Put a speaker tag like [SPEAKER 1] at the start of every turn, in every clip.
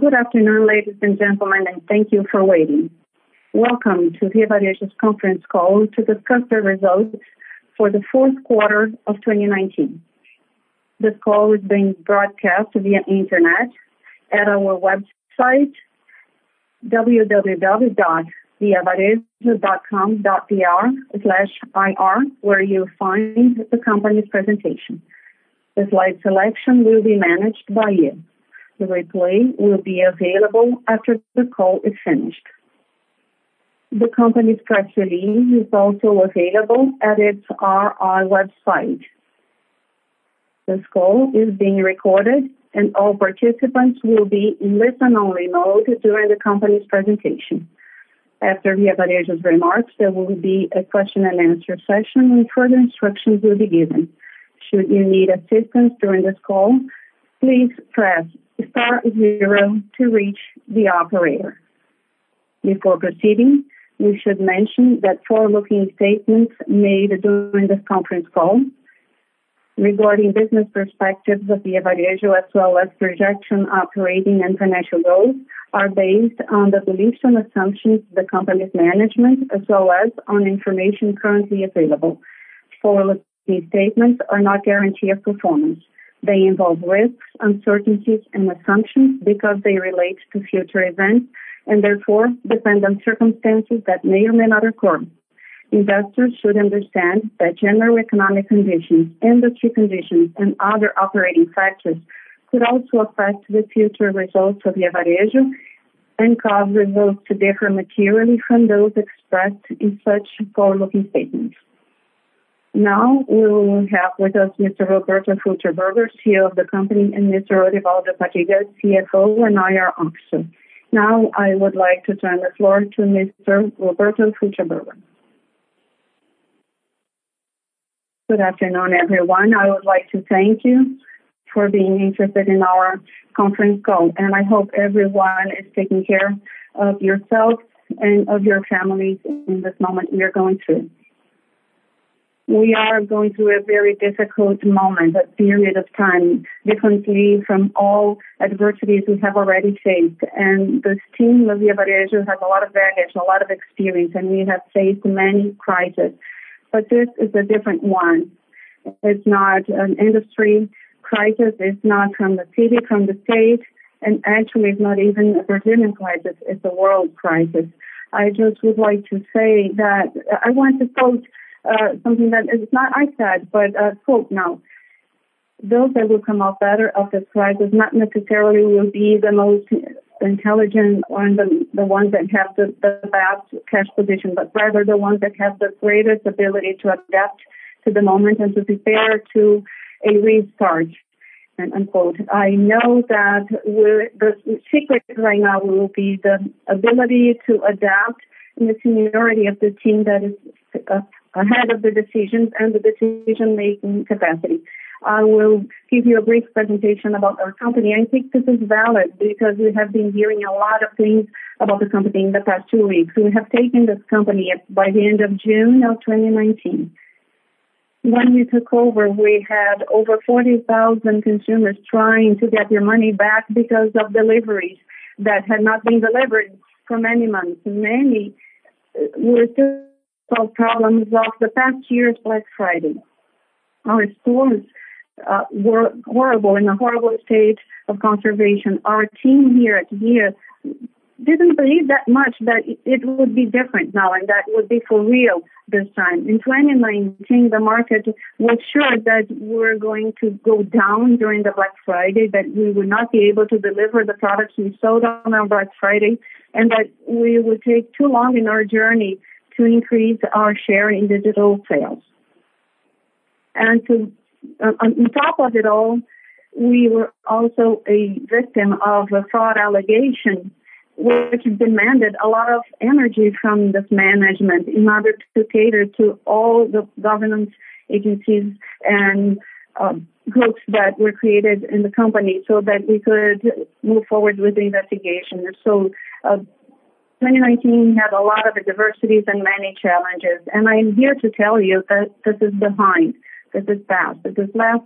[SPEAKER 1] Good afternoon, ladies and gentlemen, and thank you for waiting. Welcome to Via Varejo's conference call to discuss the results for the fourth quarter of 2019. This call is being broadcast via internet at our website, www.viavarejo.com.br/ir, where you'll find the company's presentation. The slide selection will be managed by you. The replay will be available after the call is finished. The company's press release is also available at its IR website. This call is being recorded, and all participants will be in listen-only mode during the company's presentation. After Via Varejo's remarks, there will be a question and answer session. Further instructions will be given. Should you need assistance during this call, please press star zero to reach the operator. Before proceeding, we should mention that forward-looking statements made during this conference call regarding business perspectives of Via Varejo, as well as projection operating and financial goals, are based on the beliefs and assumptions of the company's management, as well as on information currently available. Forward-looking statements are not guarantee of performance. They involve risks, uncertainties, and assumptions because they relate to future events, and therefore depend on circumstances that may or may not occur. Investors should understand that general economic conditions, industry conditions, and other operating factors could also affect the future results of Via Varejo and cause results to differ materially from those expressed in such forward-looking statements. We will have with us Mr. Roberto Fulcherberguer, CEO of the company, and Mr. Orivaldo Padilha, CFO and IR Officer. I would like to turn the floor to Mr. Roberto Fulcherberguer.
[SPEAKER 2] Good afternoon, everyone. I would like to thank you for being interested in our conference call. I hope everyone is taking care of yourselves and of your families in this moment we are going through. We are going through a very difficult moment, a period of time differently from all adversities we have already faced. This team of Via Varejo has a lot of baggage, a lot of experience, and we have faced many crises. This is a different one. It's not an industry crisis. It's not from the city, from the state, and actually, it's not even a Brazilian crisis. It's a world crisis. I just would like to say that I want to quote something that is not I said, but a quote now. Those that will come out better of this crisis not necessarily will be the most intelligent or the ones that have the best cash position, but rather the ones that have the greatest ability to adapt to the moment and to prepare to a restart. I know that the secret right now will be the ability to adapt and the seniority of the team that is ahead of the decisions and the decision-making capacity. I will give you a brief presentation about our company. I think this is valid because we have been hearing a lot of things about the company in the past two weeks. We have taken this company by the end of June of 2019. When we took over, we had over 40,000 consumers trying to get their money back because of deliveries that had not been delivered for many months. Many were still problems of the past year's Black Friday. Our stores were in a horrible state of conservation. Our team here at Via didn't believe that much that it would be different now, and that it would be for real this time. In 2019, the market was sure that we were going to go down during the Black Friday, that we would not be able to deliver the products we sold on our Black Friday, and that we would take too long in our journey to increase our share in digital sales. On top of it all, we were also a victim of a fraud allegation, which demanded a lot of energy from this management in order to cater to all the government agencies and groups that were created in the company so that we could move forward with the investigation. 2019 had a lot of adversities and many challenges. I'm here to tell you that this is behind us, this is past. This last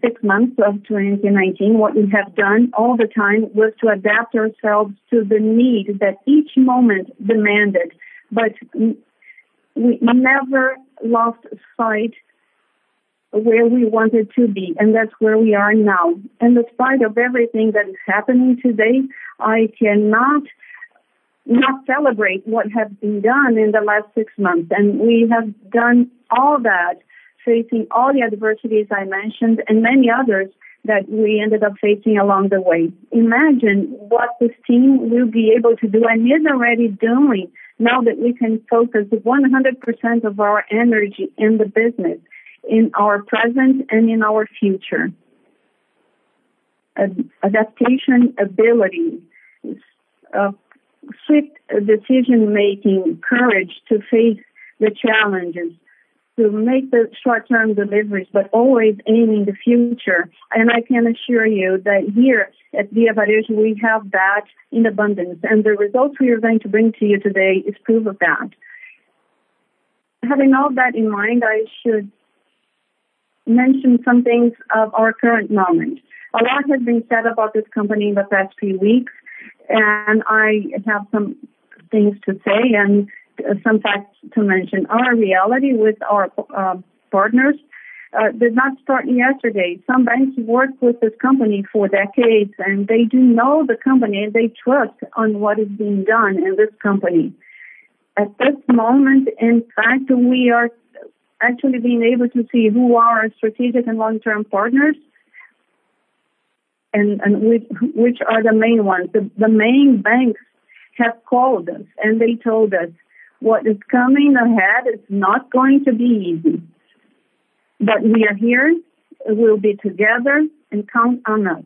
[SPEAKER 2] six months of 2019, what we have done all the time was to adapt ourselves to the need that each moment demanded. We never lost sight of where we wanted to be, and that's where we are now. Despite of everything that is happening today, I cannot not celebrate what has been done in the last six months. We have done all that facing all the adversities I mentioned and many others that we ended up facing along the way. Imagine what this team will be able to do, and is already doing, now that we can focus 100% of our energy in the business, in our present and in our future. Adaptation ability, quick decision-making, courage to face the challenges, to make the short-term deliveries, but always aiming the future. I can assure you that here at Via Varejo, we have that in abundance. The results we are going to bring to you today is proof of that. Having all that in mind, I should mention some things of our current moment. A lot has been said about this company in the past few weeks, and I have some things to say and some facts to mention. Our reality with our partners did not start yesterday. Some banks have worked with this company for decades, and they do know the company, and they trust in what is being done in this company. At this moment, in fact, we are actually being able to see who are our strategic and long-term partners, and which are the main ones. The main banks have called us and they told us what is coming ahead is not going to be easy. We are here, we'll be together, and count on us.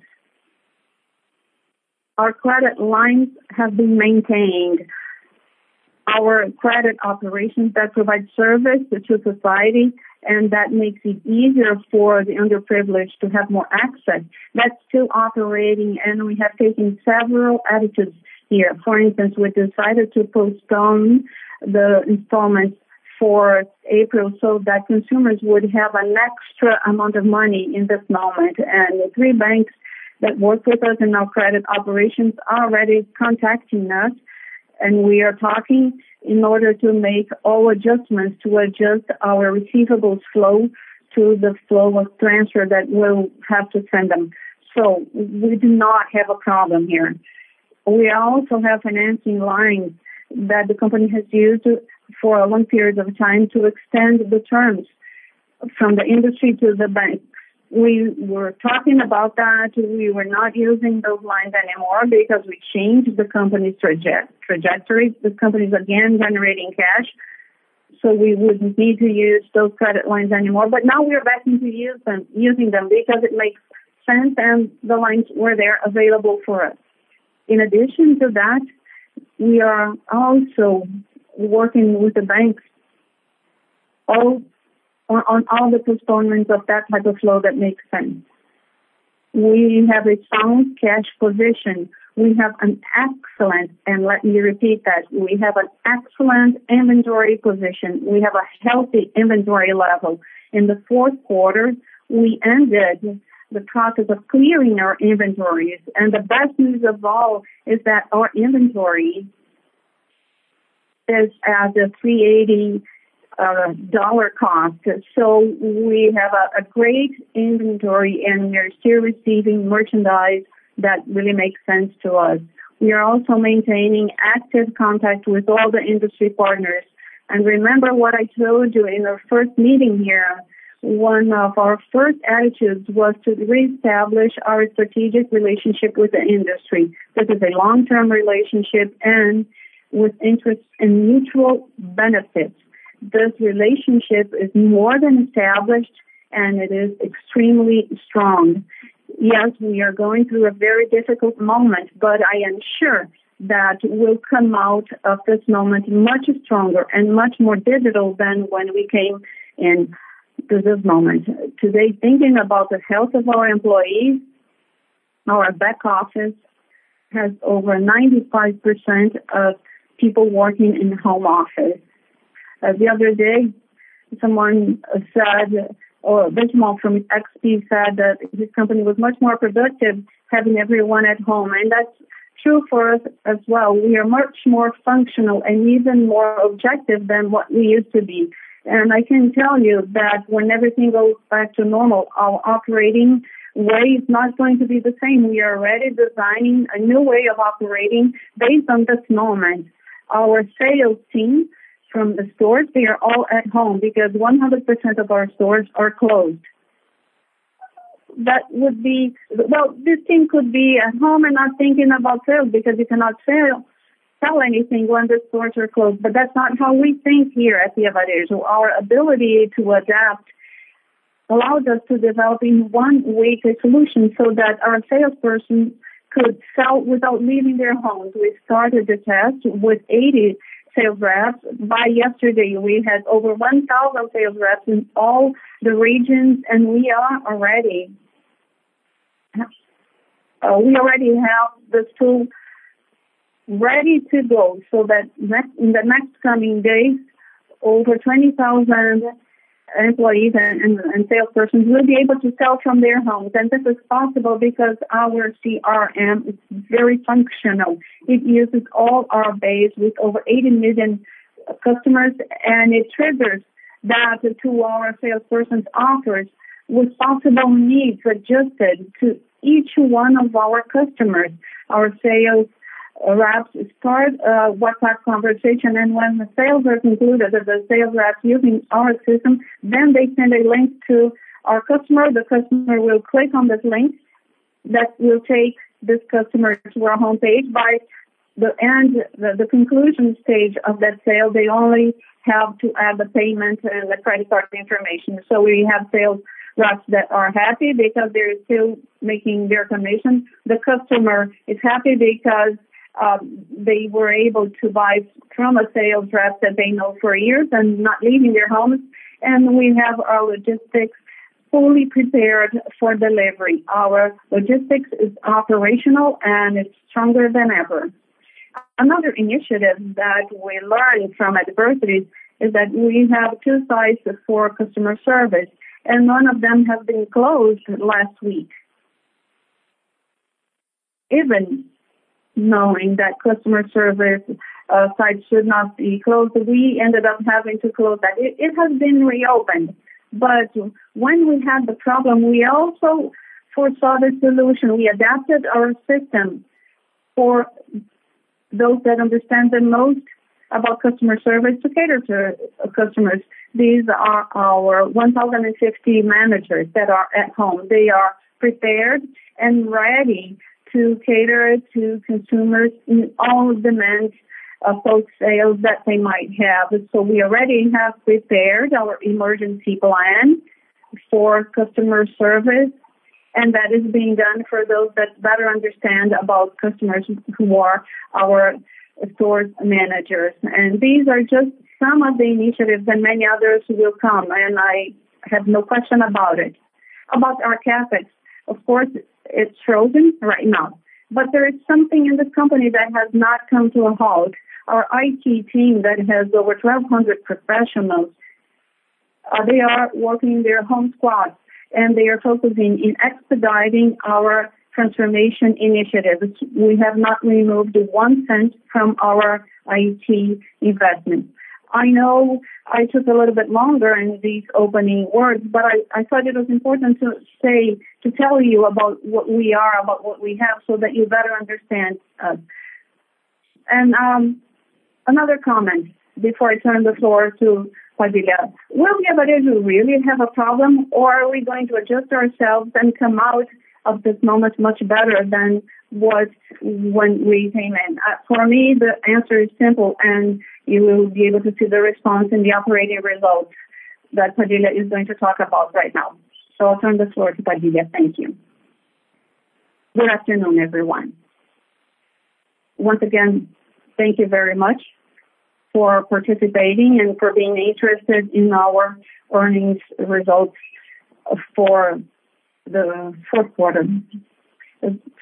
[SPEAKER 2] Our credit lines have been maintained. Our credit operations that provide service to society, and that makes it easier for the underprivileged to have more access, that's still operating, and we have taken several attitudes here. For instance, we decided to postpone the installments for April so that consumers would have an extra amount of money in this moment. The three banks that work with us in our credit operations are already contacting us, and we are talking in order to make all adjustments to adjust our receivables flow to the flow of transfer that we'll have to send them. We do not have a problem here. We also have financing lines that the company has used for a long period of time to extend the terms from the industry to the bank. We were talking about that. We were not using those lines anymore because we changed the company's trajectory. This company is again generating cash, so we wouldn't need to use those credit lines anymore. Now we are back to using them because it makes sense and the lines were there available for us. In addition to that, we are also working with the banks on all the postponements of that type of flow that makes sense. We have a sound cash position. We have an excellent, and let me repeat that, we have an excellent inventory position. We have a healthy inventory level. In the fourth quarter, we ended the process of clearing our inventories. The best news of all is that our inventory is at a BRL 38 billion cost. We have a great inventory, and we are still receiving merchandise that really makes sense to us. We are also maintaining active contact with all the industry partners. Remember what I told you in our first meeting here, one of our first attitudes was to reestablish our strategic relationship with the industry. This is a long-term relationship and with interest and mutual benefits. This relationship is more than established, and it is extremely strong. Yes, we are going through a very difficult moment, but I am sure that we'll come out of this moment much stronger and much more digital than when we came in to this moment. Today, thinking about the health of our employees, our back office has over 95% of people working in home office. The other day, someone said, or Benchimol from XP said that his company was much more productive having everyone at home. That's true for us as well. We are much more functional and even more objective than what we used to be. I can tell you that when everything goes back to normal, our operating way is not going to be the same. We are already designing a new way of operating based on this moment. Our sales team from the stores, they are all at home because 100% of our stores are closed. This team could be at home and not thinking about sales because you cannot sell anything when the stores are closed. That's not how we think here at Via Varejo. Our ability to adapt allowed us to develop in one week a solution so that our salesperson could sell without leaving their homes. We started the test with 80 sales reps. By yesterday, we had over 1,000 sales reps in all the regions, and we already have this tool ready to go so that in the next coming days, over 20,000 employees and salespersons will be able to sell from their homes. This is possible because our CRM is very functional. It uses all our base with over 80 million customers, and it triggers that to our salespersons' offers with possible needs adjusted to each one of our customers. Our sales reps start a WhatsApp conversation, and when the sales are concluded at the sales rep using our system, then they send a link to our customer. The customer will click on this link that will take this customer to our homepage. By the end, the conclusion stage of that sale, they only have to add the payment and the credit card information. We have sales reps that are happy because they're still making their commission. The customer is happy because they were able to buy from a sales rep that they know for years and not leaving their homes. We have our logistics fully prepared for delivery. Our logistics is operational, and it's stronger than ever. Another initiative that we learned from adversities is that we have two sites for customer service, and one of them has been closed last week. Even knowing that customer service sites should not be closed, we ended up having to close that. It has been reopened, but when we had the problem, we also foresaw the solution. We adapted our system for those that understand the most about customer service to cater to customers. These are our 1,050 managers that are at home. They are prepared and ready to cater to consumers in all demands of post-sales that they might have. We already have prepared our emergency plan for customer service, and that is being done for those that better understand about customers, who are our store managers. These are just some of the initiatives, and many others will come, and I have no question about it. About our CapEx, of course, it's frozen right now. There is something in this company that has not come to a halt. Our IT team that has over 1,200 professionals, they are working their home squads, and they are focusing in expediting our transformation initiative. We have not removed one cent from our IT investment. I know I took a little bit longer in these opening words, but I thought it was important to tell you about what we are, about what we have, so that you better understand us. Another comment before I turn the floor to Padilha. Will Via Varejo really have a problem, or are we going to adjust ourselves and come out of this moment much better than when we came in? For me, the answer is simple, and you will be able to see the response in the operating results that Padilha is going to talk about right now. I'll turn the floor to Padilha. Thank you.
[SPEAKER 3] Good afternoon, everyone. Once again, thank you very much for participating and for being interested in our earnings results for the fourth quarter.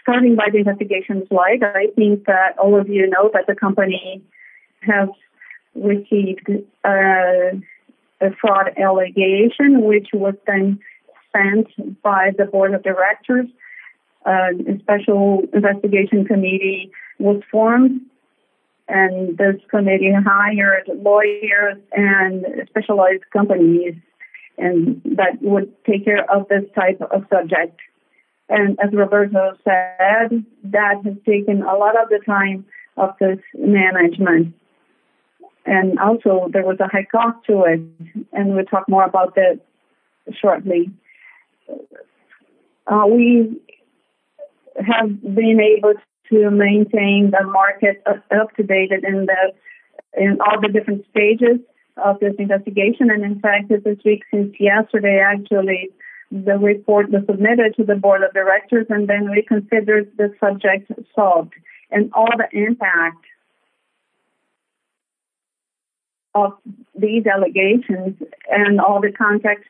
[SPEAKER 3] Starting by the investigation slide, I think that all of you know that the company has received a fraud allegation, which was then sent by the board of directors. A special investigation committee was formed, and this committee hired lawyers and specialized companies that would take care of this type of subject. As Roberto said, that has taken a lot of the time of this management. Also there was a high cost to it, and we'll talk more about that shortly. We have been able to maintain the market up to date in all the different stages of this investigation. In fact, this week, since yesterday, actually, the report was submitted to the board of directors, and then we considered the subject solved. All the impact of these allegations and all the context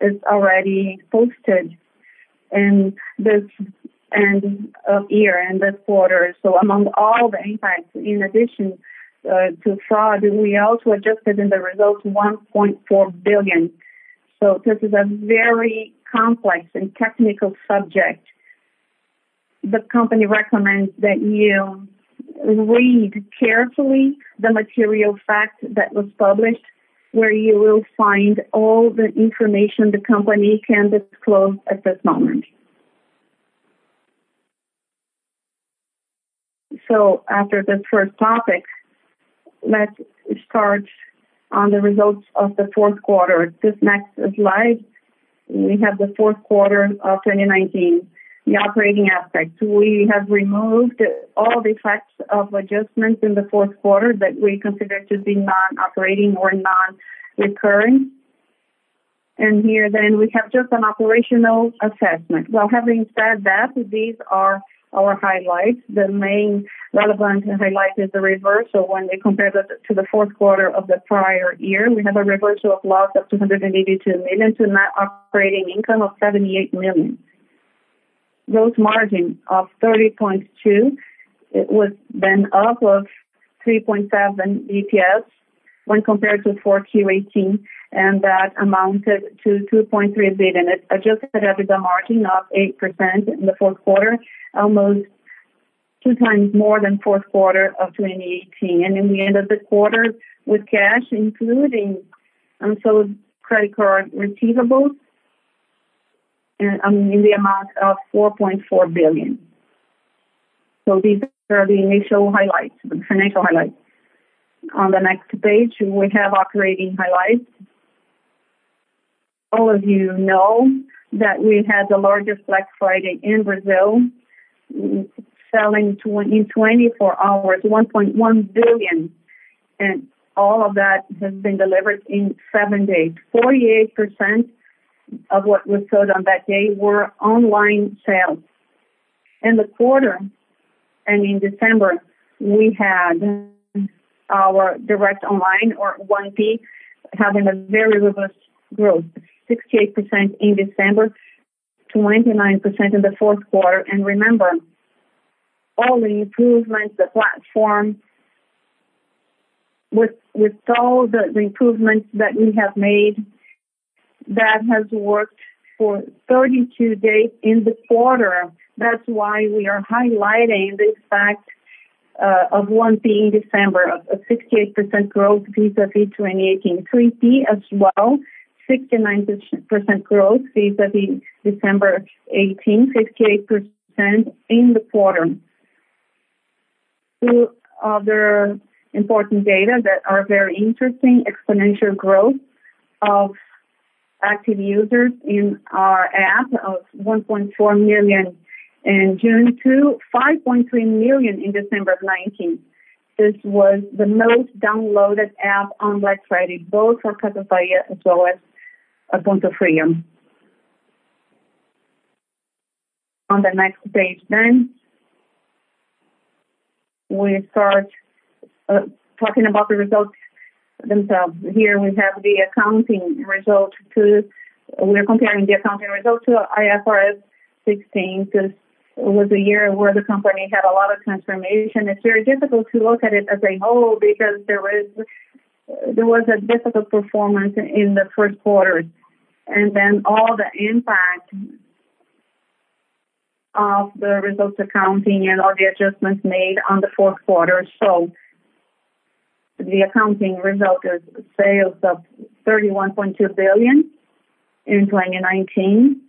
[SPEAKER 3] is already posted in this end of year, in this quarter. Among all the impacts, in addition to fraud, we also adjusted in the results 1.4 billion. This is a very complex and technical subject. The company recommends that you read carefully the Material Fact that was published, where you will find all the information the company can disclose at this moment. After this first topic, let's start on the results of the fourth quarter. This next slide, we have the fourth quarter of 2019, the operating aspects. We have removed all the effects of adjustments in the fourth quarter that we consider to be non-operating or non-recurring. Here then, we have just an operational assessment. Well, having said that, these are our highlights. The main relevant highlight is the reversal. When we compare that to the fourth quarter of the prior year, we have a reversal of loss of 282 million to net operating income of 78 million. Gross margin of 30.2%. It was then up of 3.7 bps when compared to 4Q 2018, and that amounted to 2.3 billion. Adjusted EBITDA margin of 8% in the fourth quarter, almost two times more than fourth quarter of 2018. In the end of the quarter, with cash, including unsold credit card receivables, in the amount of 4.4 billion. These are the initial highlights, the financial highlights. On the next page, we have operating highlights. All of you know that we had the largest Black Friday in Brazil, selling in 24 hours, 1.1 billion, and all of that has been delivered in seven days. 48% of what was sold on that day were online sales. In the quarter and in December, we had our direct online or 1P having a very robust growth, 68% in December. 29% in the fourth quarter. Remember, all the improvements, the platform, with all the improvements that we have made, that has worked for 32 days in the quarter. That's why we are highlighting this fact of one being December, of a 68% growth vis-à-vis 2018. 3P as well, 69% growth vis-à-vis December 2018, 68% in the quarter. Two other important data that are very interesting. Exponential growth of active users in our app of 1.4 million in June to 5.3 million in December of 2019. This was the most downloaded app on Black Friday, both for Casas Bahia as well as Pontofrio. On the next page, we start talking about the results themselves. Here we have the accounting results. We're comparing the accounting results to IFRS 16. This was a year where the company had a lot of transformation. It's very difficult to look at it as a whole because there was a difficult performance in the first quarter, then all the impact of the results accounting and all the adjustments made on the fourth quarter. The accounting result is sales of 31.2 billion in 2019.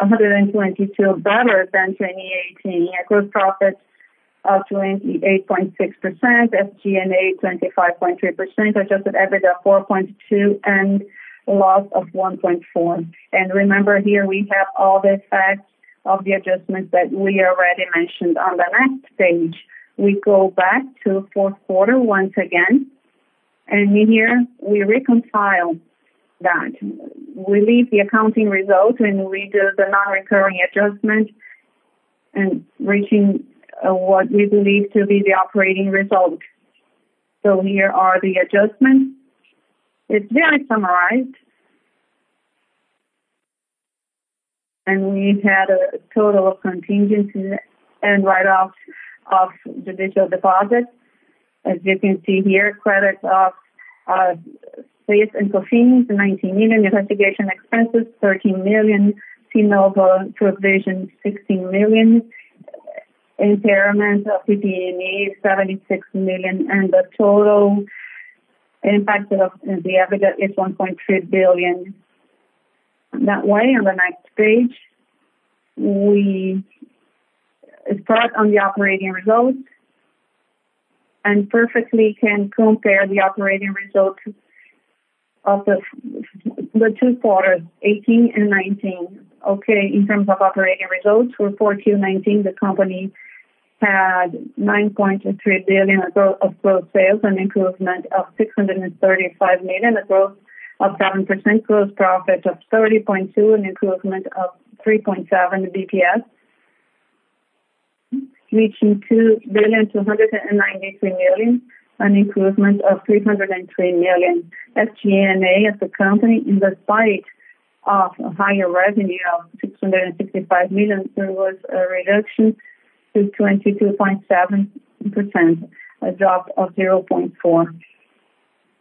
[SPEAKER 3] 122% better than 2018. A gross profit of 28.6%. SG&A 25.3%. Adjusted EBITDA 4.2%, and loss of 1.4%. Remember here, we have all the effects of the adjustments that we already mentioned. On the next page, we go back to fourth quarter once again. In here we reconcile that. We leave the accounting results when we do the non-recurring adjustment, reaching what we believe to be the operating result. Here are the adjustments. It's very summarized. We had a total of contingency and write-offs of the digital deposits. As you can see here, credits of fees and fines, 19 million. Investigation expenses, 13 million. Cnova provision, 16 million. Impairment of PP&E, 76 million. The total impact of the EBITDA is 1.2 billion. That way, on the next page, we start on the operating results, perfectly can compare the operating results of the two quarters, 2018 and 2019. Okay, in terms of operating results for 4Q 2019, the company had 9.3 billion of gross sales, an improvement of 635 million, a growth of 7%. Gross profit of 30.2%, an improvement of 3.7 basis points. Reaching 2.293 billion, an improvement of 303 million. SG&A as a company, in spite of higher revenue of 665 million, there was a reduction to 22.7%, a drop of 0.4 percentage points.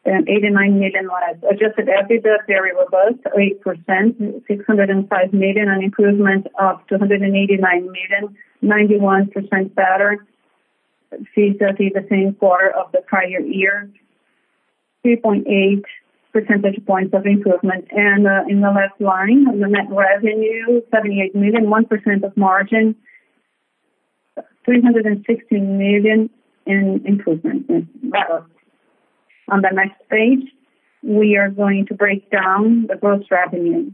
[SPEAKER 3] 89 million less. Adjusted EBITDA, very robust, 8%, 605 million, an improvement of 289 million, 91% better vis-à-vis the same quarter of the prior year, 3.8 percentage points of improvement. In the last line, the net revenue, 78 million, 1% of margin, 360 million in improvements. On the next page, we are going to break down the gross revenue.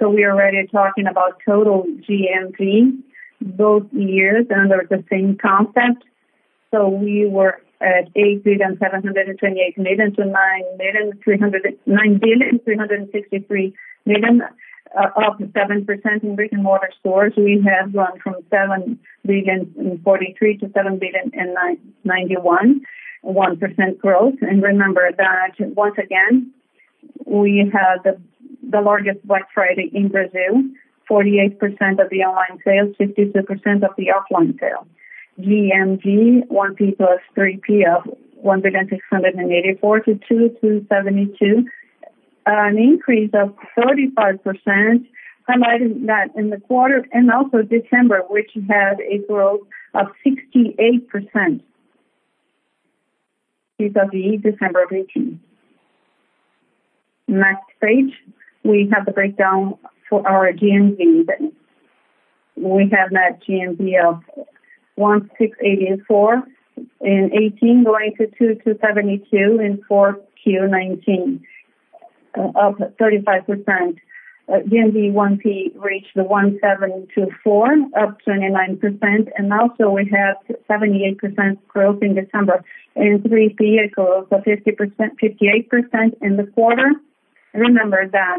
[SPEAKER 3] We are already talking about total GMV both years under the same concept. We were at 8,728 million to 9,363 million, up 7%. In brick-and-mortar stores, we have gone from 7,043 million to 7,091 million, 1% growth. Remember that, once again, we had the largest Black Friday in Brazil, 48% of the online sales, 52% of the offline sales. GMV, 1P plus 3P of 1.684 billion to 2.272 billion, an increase of 35%, highlighting that in the quarter and also December, which had a growth of 68% vis-à-vis December 2018. Next page, we have the breakdown for our GMV then. We have that GMV of 1.684 billion in 2018, going to 2.272 billion in 4Q 2019, up 35%. GMV 1P reached 1.724 billion, up 29%, and also we have 78% growth in December. 3P a growth of 58% in the quarter. Remember that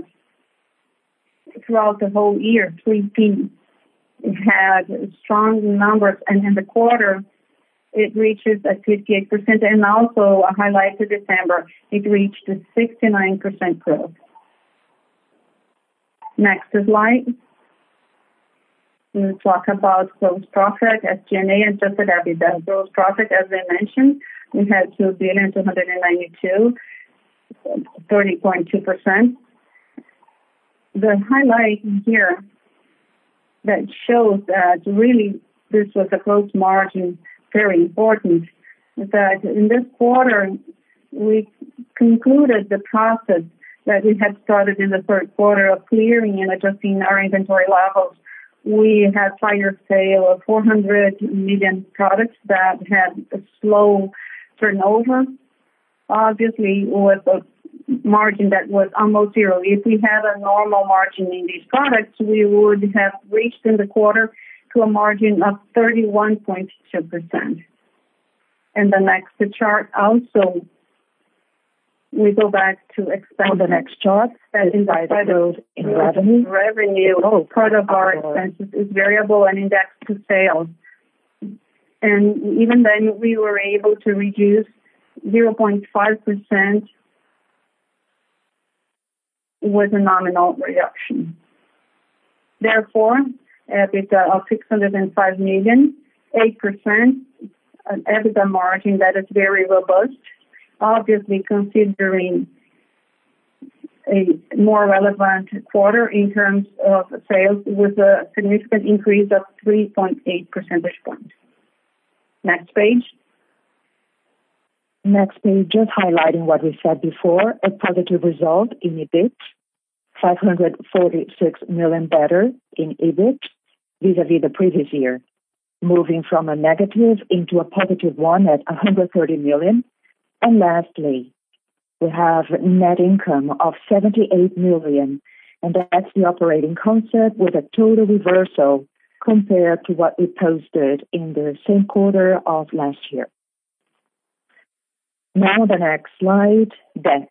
[SPEAKER 3] throughout the whole year, 3P had strong numbers, and in the quarter it reaches a 58%. Also I highlighted December, it reached a 69% growth. Next slide. We talk about gross profit as G&A and adjusted EBITDA. Gross profit, as I mentioned, we had 2.292 billion, 30.2%. The highlight here that shows that really this was a close margin, very important, that in this quarter we concluded the process that we had started in the third quarter of clearing and adjusting our inventory levels. We had fire sale of 400 million products that had a slow turnover. Obviously, with a margin that was almost zero. If we had a normal margin in these products, we would have reached in the quarter to a margin of 31.2%. The next chart also, we go back to expenses. On the next chart is by the growth in revenue. As we said, with revenue, part of our expenses is variable and indexed to sales. Even then we were able to reduce 0.5% with a nominal reduction. EBITDA of 605 million, 8%, an EBITDA margin that is very robust, obviously considering a more relevant quarter in terms of sales with a significant increase of 3.8 percentage points. Next page. Next page, just highlighting what we said before, a positive result in EBIT. 546 million better in EBIT vis-a-vis the previous year. Moving from a negative into a positive one at 130 million. Lastly, we have net income of 78 million, and that's the operating concept with a total reversal compared to what we posted in the same quarter of last year. The next slide, debt.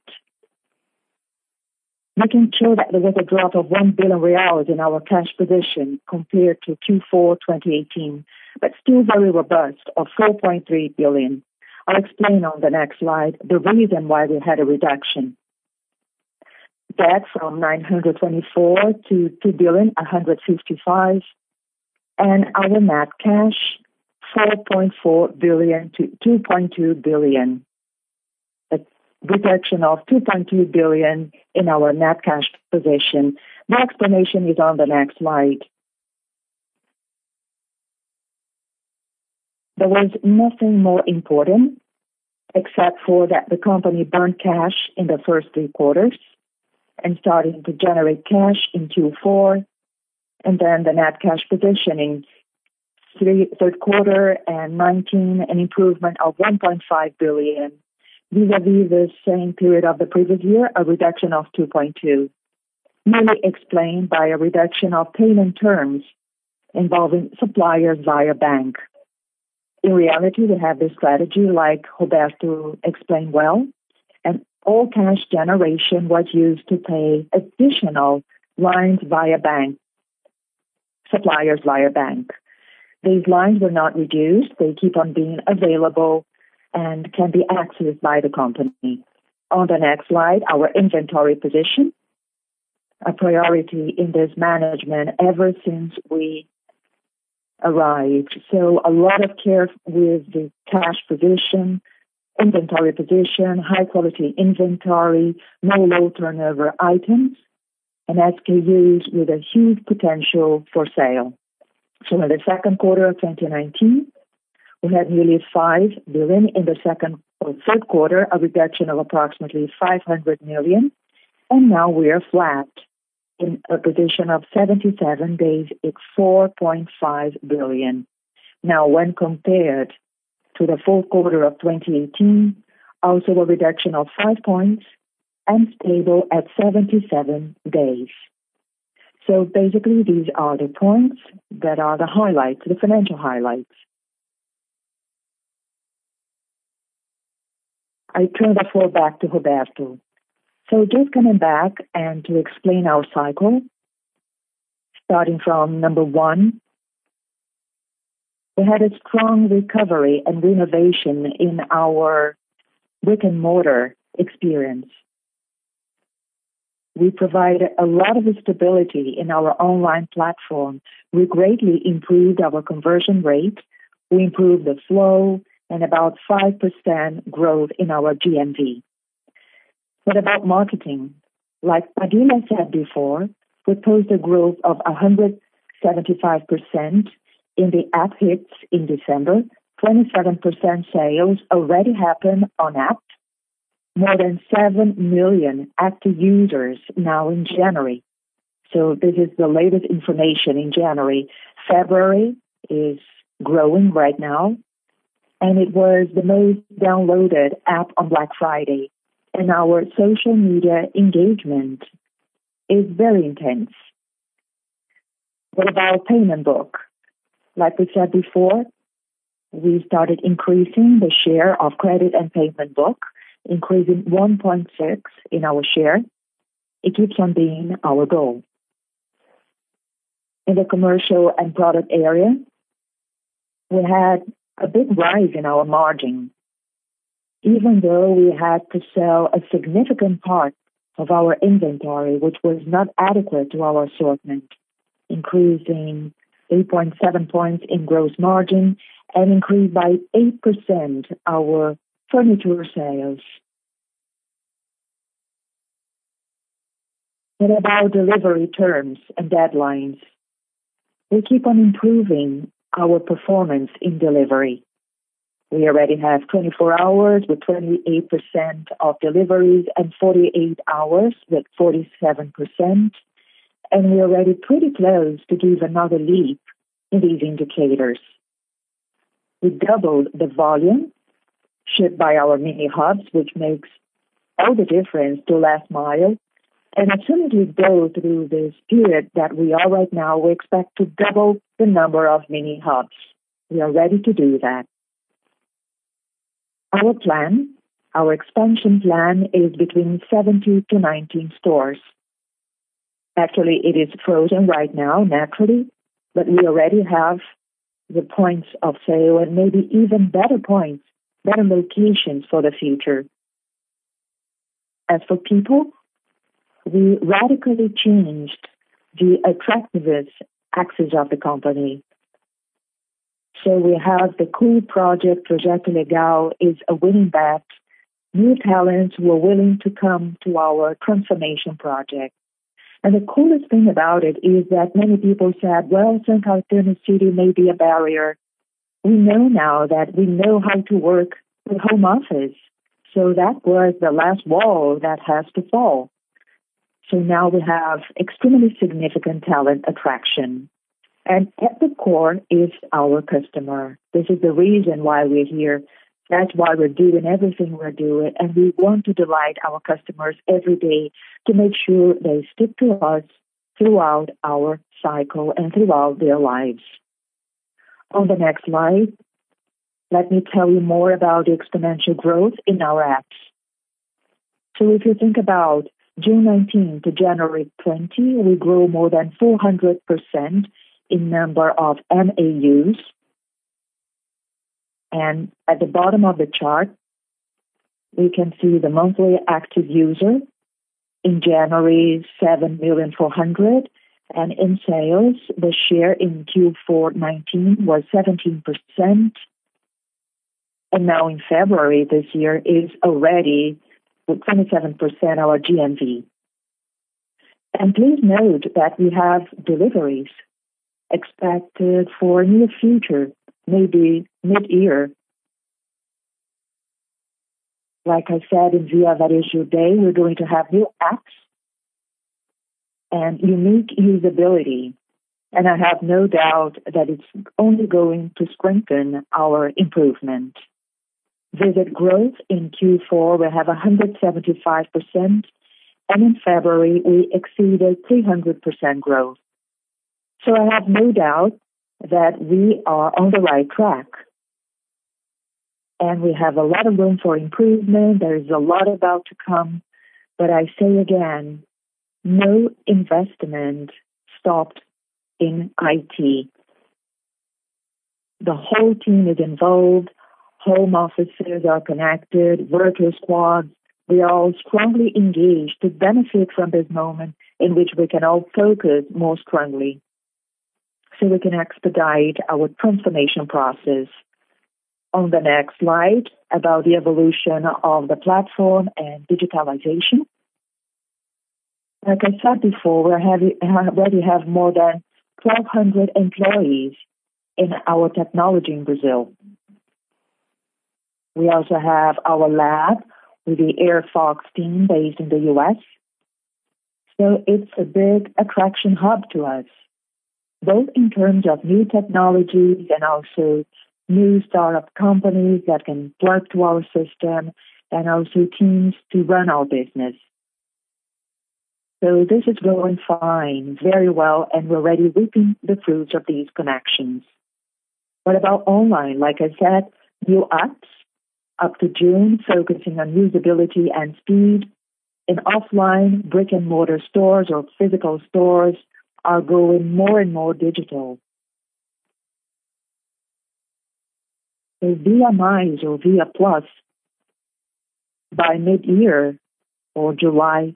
[SPEAKER 3] We can show that there was a drop of R$1 billion in our cash position compared to Q4 2018, but still very robust of 4.3 billion. I'll explain on the next slide the reason why we had a reduction. Debt from 924 to R$2.155 billion. Our net cash, BRL 4.4 billion to 2.2 billion. A reduction of 2.2 billion in our net cash position. The explanation is on the next slide. There was nothing more important except for that the company burned cash in the first three quarters and starting to generate cash in Q4. The net cash position in third quarter and 2019, an improvement of 1.5 billion. Vis-a-vis the same period of the previous year, a reduction of 2.2 billion. Mainly explained by a reduction of payment terms involving suppliers via bank. In reality, we have the strategy like Roberto explained well, and all cash generation was used to pay additional lines via bank, suppliers via bank. These lines were not reduced. They keep on being available and can be accessed by the company. On the next slide, our inventory position. A priority in this management ever since we arrived. A lot of care with the cash position, inventory position, high quality inventory, no low turnover items, and SKUs with a huge potential for sale. In the second quarter of 2019, we had nearly 5 billion. In the third quarter, a reduction of approximately 500 million. Now we are flat in a position of 77 days with 4.5 billion. Now, when compared to the fourth quarter of 2018, also a reduction of five points and stable at 77 days. Basically, these are the points that are the highlights, the financial highlights. I turn the floor back to Roberto.
[SPEAKER 2] Just coming back and to explain our cycle, starting from number one. We had a strong recovery and renovation in our brick-and-mortar experience. We provided a lot of stability in our online platform. We greatly improved our conversion rate. We improved the flow and about 5% growth in our GMV. What about marketing? Like Padilha said before, we post a growth of 175% in the app hits in December. 27% sales already happen on app. More than seven million active users now in January. This is the latest information in January. February is growing right now, and it was the most downloaded app on Black Friday. Our social media engagement is very intense. What about payment book? Like we said before, we started increasing the share of credit and payment book, increasing 1.6 in our share. It keeps on being our goal. In the commercial and product area, we had a big rise in our margin, even though we had to sell a significant part of our inventory, which was not adequate to our assortment, increasing 8.7 points in gross margin and increased by 8% our furniture sales. What about delivery terms and deadlines? We keep on improving our performance in delivery. We already have 24 hours with 28% of deliveries and 48 hours with 47%, and we are already pretty close to give another leap in these indicators. We doubled the volume shipped by our mini hubs, which makes all the difference to last mile. As soon as we go through this period that we are right now, we expect to double the number of mini hubs. We are ready to do that. Our plan, our expansion plan is between 70-90 stores. Actually, it is frozen right now, naturally, but we already have the points of sale and maybe even better points, better locations for the future. As for people, we radically changed the attractiveness axis of the company. We have the cool project, Projeto Legal, is a winning bet. New talents were willing to come to our transformation project. The coolest thing about it is that many people said, "Well, São Carlos, third city may be a barrier." We know now that we know how to work with home office, that was the last wall that has to fall. Now we have extremely significant talent attraction. At the core is our customer. This is the reason why we're here. That's why we're doing everything we're doing, and we want to delight our customers every day to make sure they stick to us throughout our cycle and throughout their lives. On the next slide, let me tell you more about the exponential growth in our apps. If you think about June 2019 to January 2020, we grew more than 400% in number of MAUs. At the bottom of the chart, we can see the monthly active user. In January, 7,000,400, and in sales, the share in Q4 2019 was 17%, and now in February 2020 is already 27% our GMV. Please note that we have deliveries expected for near future, maybe mid-year. Like I said, in Via Varejo Day, we're going to have new apps and unique usability, and I have no doubt that it's only going to strengthen our improvement. Visit growth in Q4, we have 175%, and in February, we exceeded 300% growth. I have no doubt that we are on the right track, and we have a lot of room for improvement. There is a lot about to come. I say again, no investment stopped in IT. The whole team is involved. Home offices are connected, worker squads. We are strongly engaged to benefit from this moment in which we can all focus more strongly so we can expedite our transformation process. On the next slide about the evolution of the platform and digitalization. Like I said before, we already have more than 1,200 employees in our technology in Brazil. We also have our lab with the Airfox team based in the U.S. It's a big attraction hub to us, both in terms of new technologies and also new startup companies that can plug to our system and also teams to run our business. This is going fine, very well, and we're already reaping the fruits of these connections. What about online? Like I said, new apps up to June, focusing on usability and speed. In offline brick-and-mortar stores or physical stores are going more and more digital. In Via Mais or Via Plus, by mid-year or July,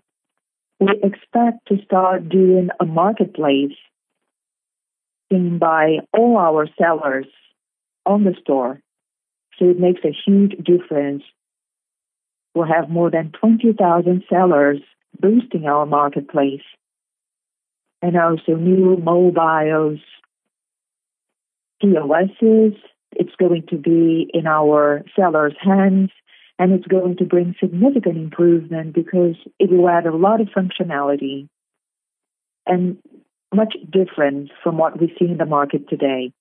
[SPEAKER 2] we expect to start doing a marketplace and by all our sellers on the store. It makes a huge difference. We'll have more than 20,000 sellers boosting our marketplace. Also new mobiles, POSs. It's going to be in our sellers' hands, it's going to bring significant improvement because it will add a lot of functionality and much different from what we see in the market today.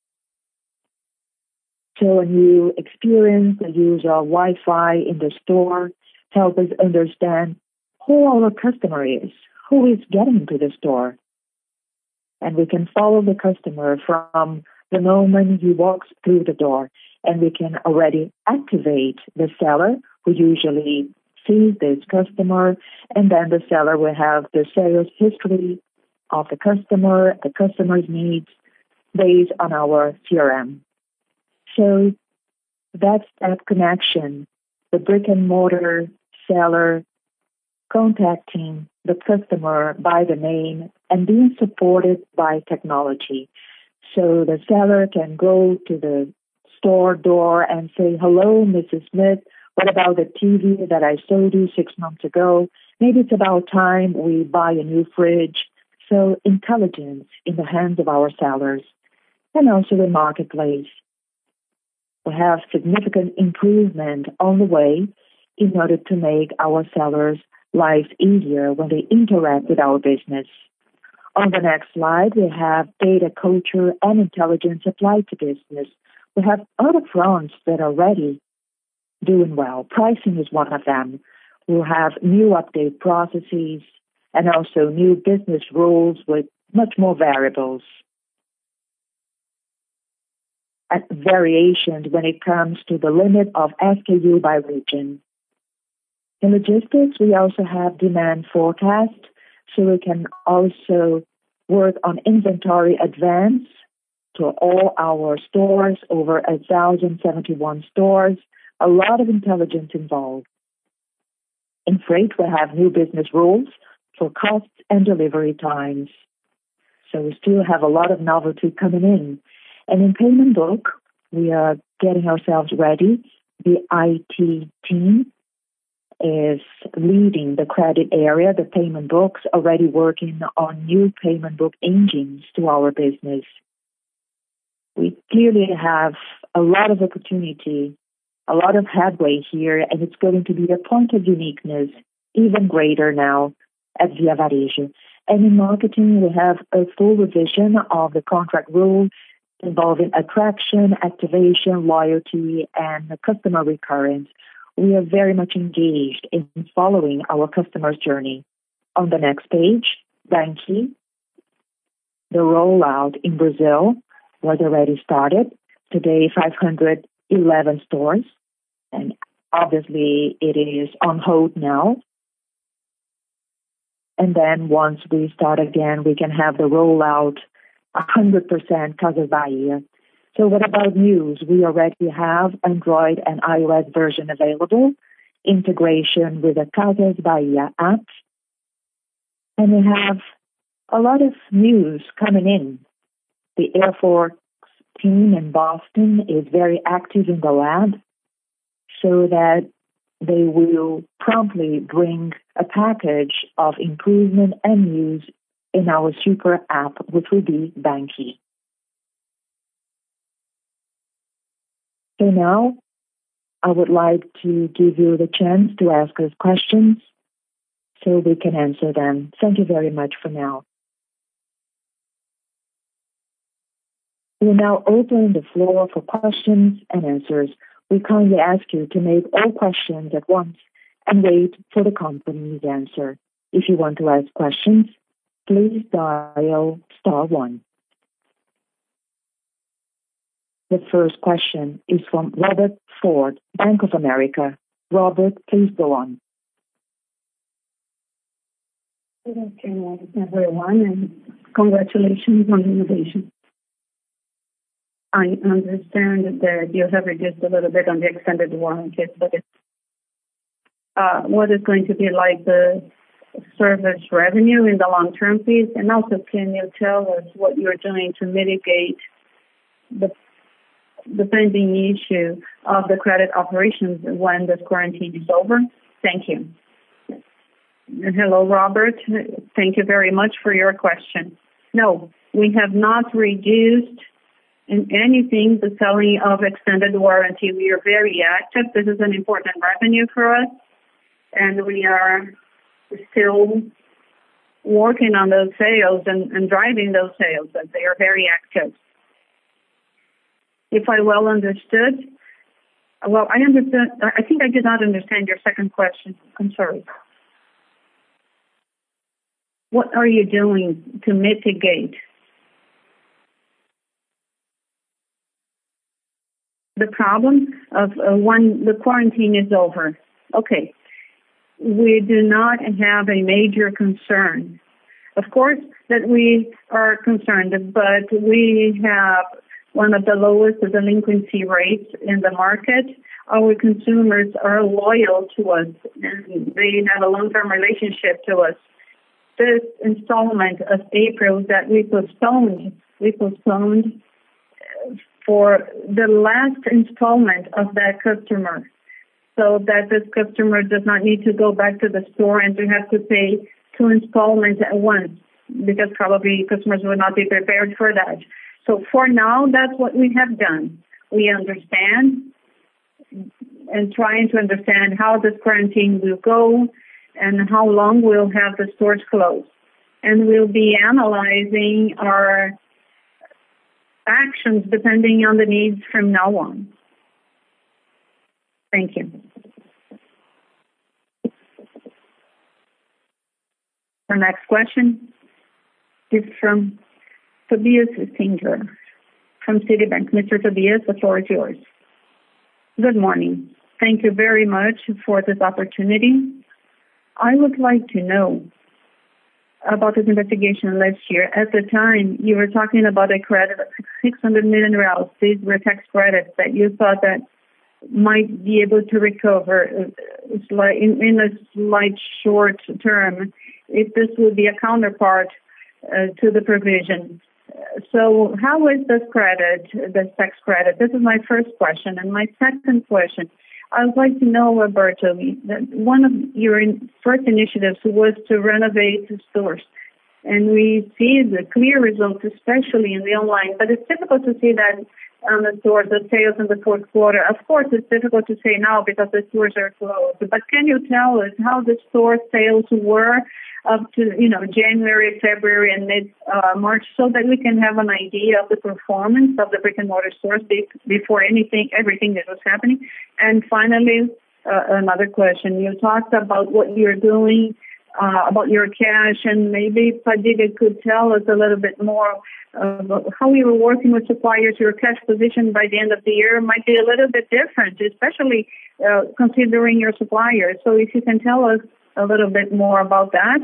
[SPEAKER 2] A new experience. The use of Wi-Fi in the store help us understand who our customer is, who is getting to the store. We can follow the customer from the moment he walks through the door, and we can already activate the seller, who usually sees this customer, the seller will have the sales history of the customer, the customer's needs based on our CRM. That's that connection. The brick-and-mortar seller contacting the customer by the name and being supported by technology. The seller can go to the store door and say, "Hello, Mrs. Smith. What about the TV that I sold you six months ago? Maybe it's about time we buy a new fridge. Intelligence in the hands of our sellers and also the marketplace. We have significant improvement on the way in order to make our sellers' life easier when they interact with our business. On the next slide, we have data culture and intelligence applied to business. We have other fronts that are already doing well. Pricing is one of them. We'll have new update processes and also new business rules with much more variables. Variations when it comes to the limit of SKU by region. In logistics, we also have demand forecast, so we can also work on inventory advance to all our stores, over 1,071 stores. A lot of intelligence involved. In freight, we have new business rules for cost and delivery times. We still have a lot of novelty coming in. In payment book, we are getting ourselves ready. The IT team is leading the credit area, the payment books, already working on new payment book engines to our business. We clearly have a lot of opportunity, a lot of headway here, it's going to be the point of uniqueness, even greater now at Via Varejo. In marketing, we have a full revision of the contract rules involving attraction, activation, loyalty, and customer recurrence. We are very much engaged in following our customer's journey. On the next page, banQi. The rollout in Brazil was already started. Today, 511 stores, obviously it is on hold now. Once we start again, we can have the rollout 100% Casas Bahia. What about news? We already have Android and iOS version available, integration with the Casas Bahia app. We have a lot of news coming in. The Airfox team in Boston is very active in the lab, so that they will promptly bring a package of improvement and news in our super app, which will be banQi. Now I would like to give you the chance to ask us questions so we can answer them. Thank you very much for now.
[SPEAKER 1] We are now opening the floor for questions and answers. We kindly ask you to make all questions at once and wait for the company's answer. If you want to ask questions, please dial star one. The first question is from Robert Ford, Bank of America. Robert, please go on.
[SPEAKER 4] Good afternoon, everyone. Congratulations on the innovation. I understand that you have reduced a little bit on the extended warranty. What is going to be like the service revenue in the long-term piece? Also, can you tell us what you're doing to mitigate the pending issue of the credit operations when this quarantine is over? Thank you.
[SPEAKER 2] Hello, Robert. Thank you very much for your question. No, we have not reduced in anything the selling of extended warranty. We are very active. This is an important revenue for us, and we are still working on those sales and driving those sales, and they are very active. If I well understood, I think I did not understand your second question. I'm sorry. What are you doing to mitigate the problem of when the quarantine is over? Okay. We do not have a major concern. Of course, that we are concerned, but we have one of the lowest delinquency rates in the market. Our consumers are loyal to us, and they have a long-term relationship to us. This installment of April that we postponed, we postponed for the last installment of that customer, so that this customer does not need to go back to the store and they have to pay two installments at once, because probably customers would not be prepared for that. For now, that's what we have done. We understand. Trying to understand how this quarantine will go and how long we'll have the stores closed. We'll be analyzing our actions depending on the needs from now on.
[SPEAKER 4] Thank you.
[SPEAKER 1] Our next question is from Tobias Stingelin from Citibank. Mr. Tobias, the floor is yours.
[SPEAKER 5] Good morning. Thank you very much for this opportunity. I would like to know about this investigation last year. At the time, you were talking about a credit of 600 million real. These were tax credits that you thought that might be able to recover in a slight short term, if this would be a counterpart to the provision. How is this tax credit? This is my first question. My second question, I would like to know, Roberto, that one of your first initiatives was to renovate the stores. We see the clear results, especially in the online, but it's difficult to see that on the stores, the sales in the fourth quarter. Of course, it's difficult to say now because the stores are closed. Can you tell us how the store sales were up to January, February, and mid March, so that we can have an idea of the performance of the brick-and-mortar stores before everything that was happening? Finally, another question. You talked about what you're doing, about your cash, and maybe Fabio could tell us a little bit more about how you were working with suppliers. Your cash position by the end of the year might be a little bit different, especially considering your suppliers. If you can tell us a little bit more about that,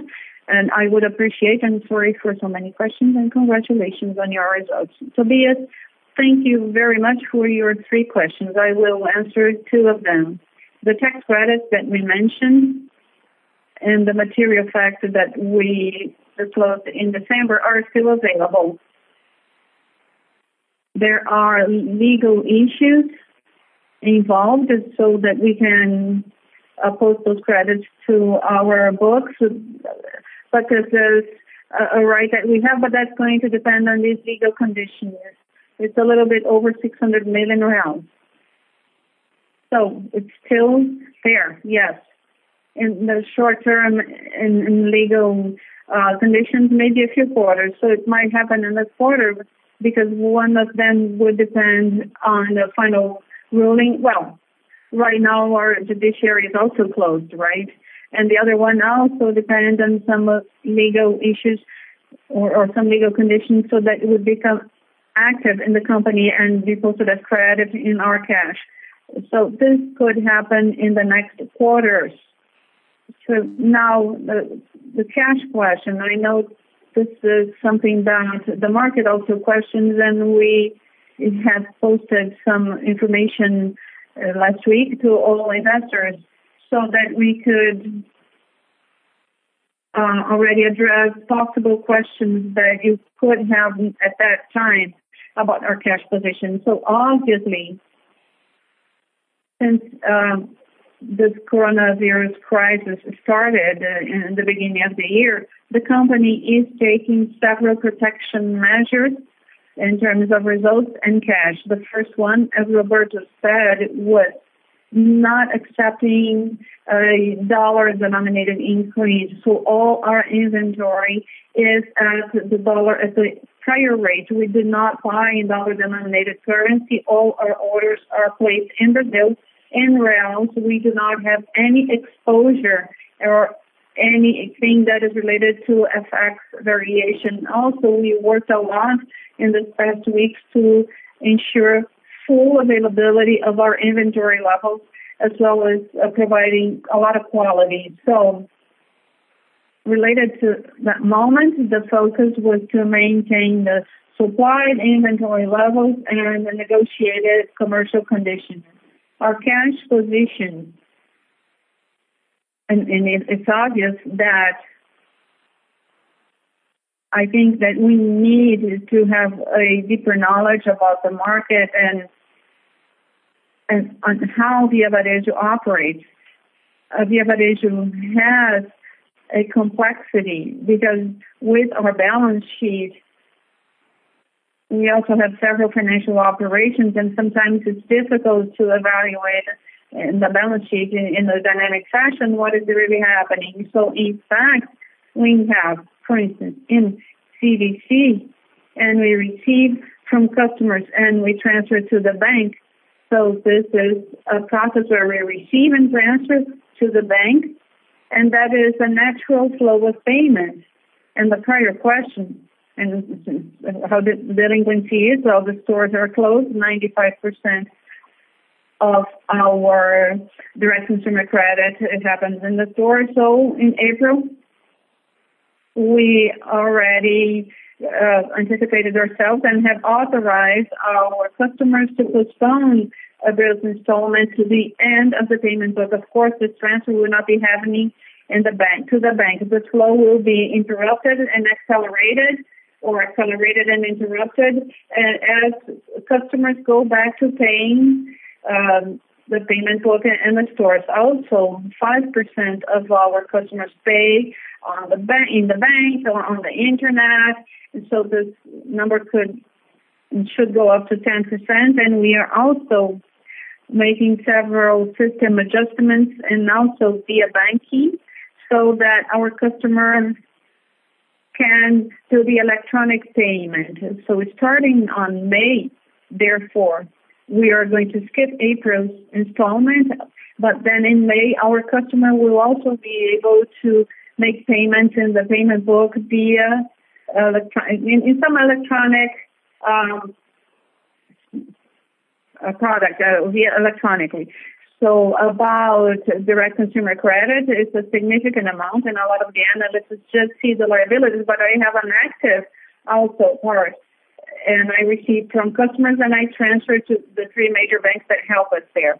[SPEAKER 5] and I would appreciate, and sorry for so many questions and congratulations on your results.
[SPEAKER 3] Tobias, thank you very much for your three questions. I will answer two of them. The tax credits that we mentioned and the material fact that we disclosed in December are still available. There are legal issues involved so that we can post those credits to our books. This is a right that we have, but that's going to depend on these legal conditions. It's a little bit over 600 million. It's still there, yes. In the short term, in legal conditions, maybe a few quarters. It might happen in this quarter because one of them would depend on the final ruling. Well, right now our judiciary is also closed, right? The other one also depends on some legal issues or some legal conditions so that it would become active in the company and we post that credit in our cash. This could happen in the next quarters. Now the cash question, I know this is something that the market also questions, and we have posted some information last week to all investors so that we could already address possible questions that you could have at that time about our cash position. Obviously, since this coronavirus crisis started in the beginning of the year, the company is taking several protection measures in terms of results and cash. The first one, as Roberto said, was not accepting a dollar-denominated increase. All our inventory is at the dollar at the prior rate. We did not buy in dollar-denominated currency. All our orders are placed in reals. We do not have any exposure or anything that is related to FX variation. We worked a lot in these past weeks to ensure full availability of our inventory levels as well as providing a lot of quality. Related to that moment, the focus was to maintain the supply and inventory levels and the negotiated commercial conditions. Our cash position, it's obvious that I think that we need to have a deeper knowledge about the market and on how Via Varejo operates. Via Varejo has a complexity because with our balance sheet, we also have several financial operations, sometimes it's difficult to evaluate the balance sheet in a dynamic fashion, what is really happening. In fact, we have, for instance, in CDC, we receive from customers, we transfer to the bank. This is a process where we receive and transfer to the bank, that is the natural flow of payment. The prior question, how the delinquency is, all the stores are closed, 95% of our direct consumer credit, it happens in the store. In April, we already anticipated ourselves and had authorized our customers to postpone those installments to the end of the payment. Of course, this transfer will not be happening to the bank. The flow will be interrupted and accelerated or accelerated and interrupted as customers go back to paying the payments in the stores. Also, 5% of our customers pay in the bank or on the internet. This number should go up to 10%, and we are also making several system adjustments and also via banking, so that our customers can do the electronic payment. Starting on May therefore, we are going to skip April's installment, then in May, our customer will also be able to make payments in the payment book via some electronic product, via electronically. About direct consumer credit, it is a significant amount and a lot of the analyst is just seasonal liabilities, but I have an active also, or, and I receive from customers, and I transfer to the three major banks that help us there.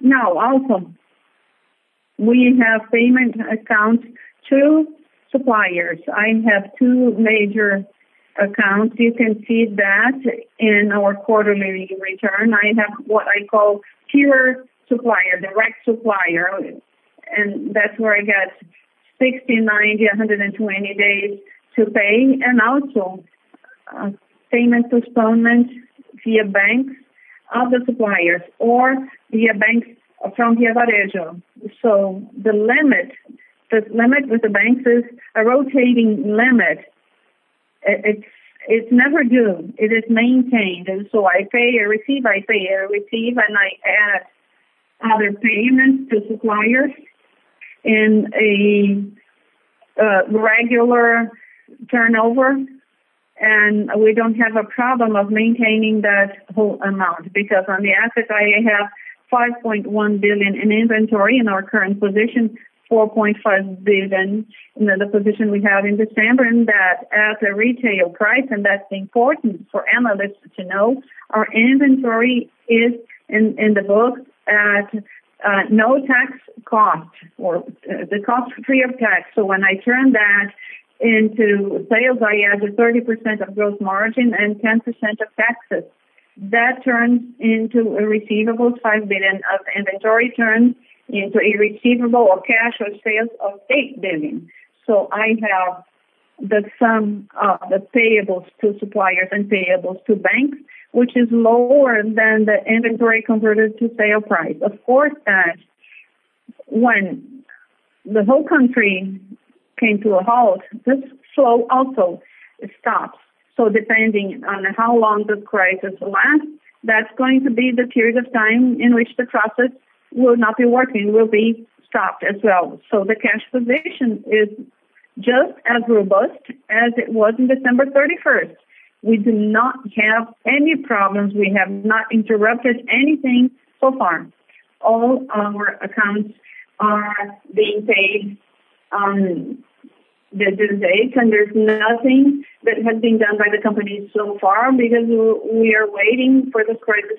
[SPEAKER 3] Now also, we have payment accounts to suppliers. I have two major accounts. You can see that in our quarterly return. I have what I call pure supplier, direct supplier, and that is where I get 60, 90, 120 days to pay. Also, payment postponement via banks of the suppliers or via banks from Via Varejo. The limit with the banks is a rotating limit. It is never due. It is maintained. I pay, I receive, I pay, I receive, and I add other payments to suppliers in a regular turnover. We don't have a problem of maintaining that whole amount because on the assets I have 5.1 billion in inventory. In our current position, 4.5 billion in the position we have in December and that at a retail price, and that's important for analysts to know, our inventory is in the book at no tax cost or the cost free of tax. When I turn that into sales, I add the 30% of gross margin and 10% of taxes. That turns into a receivable, 5 billion of inventory turns into a receivable or cash or sales of 8 billion. I have the sum of the payables to suppliers and payables to banks, which is lower than the inventory converted to sale price. Of course, when the whole country came to a halt, this flow also stops. Depending on how long the crisis lasts, that's going to be the period of time in which the process will not be working, will be stopped as well. The cash position is just as robust as it was in December 31st. We do not have any problems. We have not interrupted anything so far. All our accounts are being paid on the due dates and there's nothing that has been done by the company so far because we are waiting for the crisis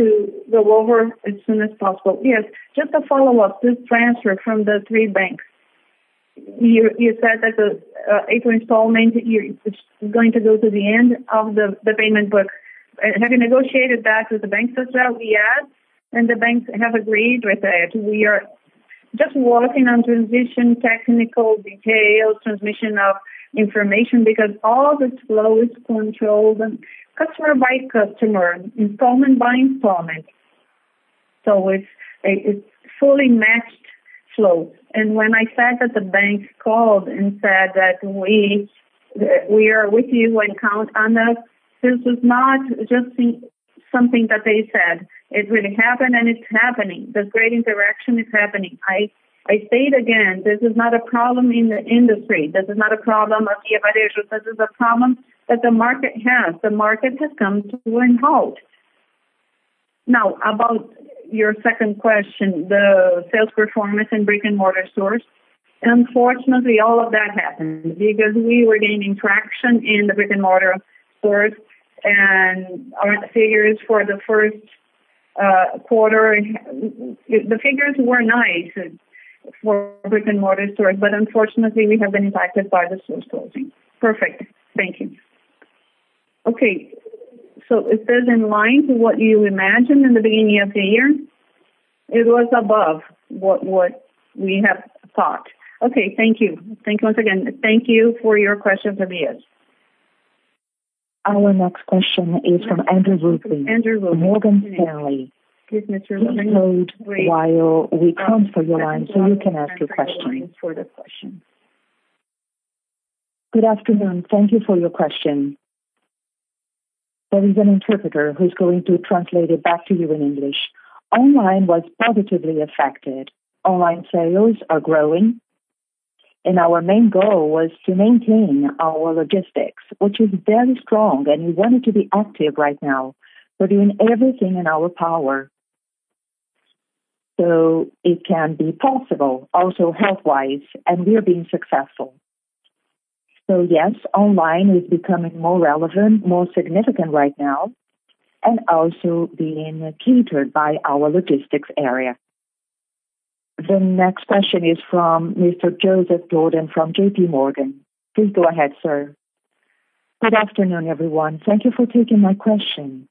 [SPEAKER 3] to go over as soon as possible.
[SPEAKER 5] Yes. Just a follow-up. This transfer from the three banks. You said that the April installment is going to go to the end of the payment book. Have you negotiated that with the banks as well?
[SPEAKER 3] We have. The banks have agreed with it. We are just working on transition technical details, transmission of information because all the flow is controlled customer by customer, installment by installment. It's fully matched flow. When I said that the banks called and said that "We are with you and count on us," this is not just something that they said. It really happened and it's happening. The great interaction is happening. I say it again, this is not a problem in the industry. This is not a problem at Via Varejo. This is a problem that the market has. The market has come to a halt. Now, about your second question, the sales performance in brick-and-mortar stores. Unfortunately, all of that happened because we were gaining traction in the brick-and-mortar stores. The figures were nice for brick-and-mortar stores, but unfortunately we have been impacted by the stores closing.
[SPEAKER 5] Perfect. Thank you. Okay, is this in line to what you imagined in the beginning of the year?
[SPEAKER 2] It was above what we have thought.
[SPEAKER 5] Okay. Thank you. Thanks once again.
[SPEAKER 2] Thank you for your questions, Tobias.
[SPEAKER 1] Our next question is from Andrew Ruben. Morgan Stanley. Please hold while we come to your line so you can ask your question.
[SPEAKER 2] Good afternoon. Thank you for your question. There is an interpreter who is going to translate it back to you in English. Online was positively affected. Online sales are growing, and our main goal was to maintain our logistics, which is very strong and we want it to be active right now. We are doing everything in our power so it can be possible also health-wise, and we are being successful. Yes, online is becoming more relevant, more significant right now, and also being catered by our logistics area.
[SPEAKER 1] The next question is from Mr. Joseph Giordano from JPMorgan. Please go ahead, sir. Good afternoon, everyone.
[SPEAKER 6] Thank you for taking my question.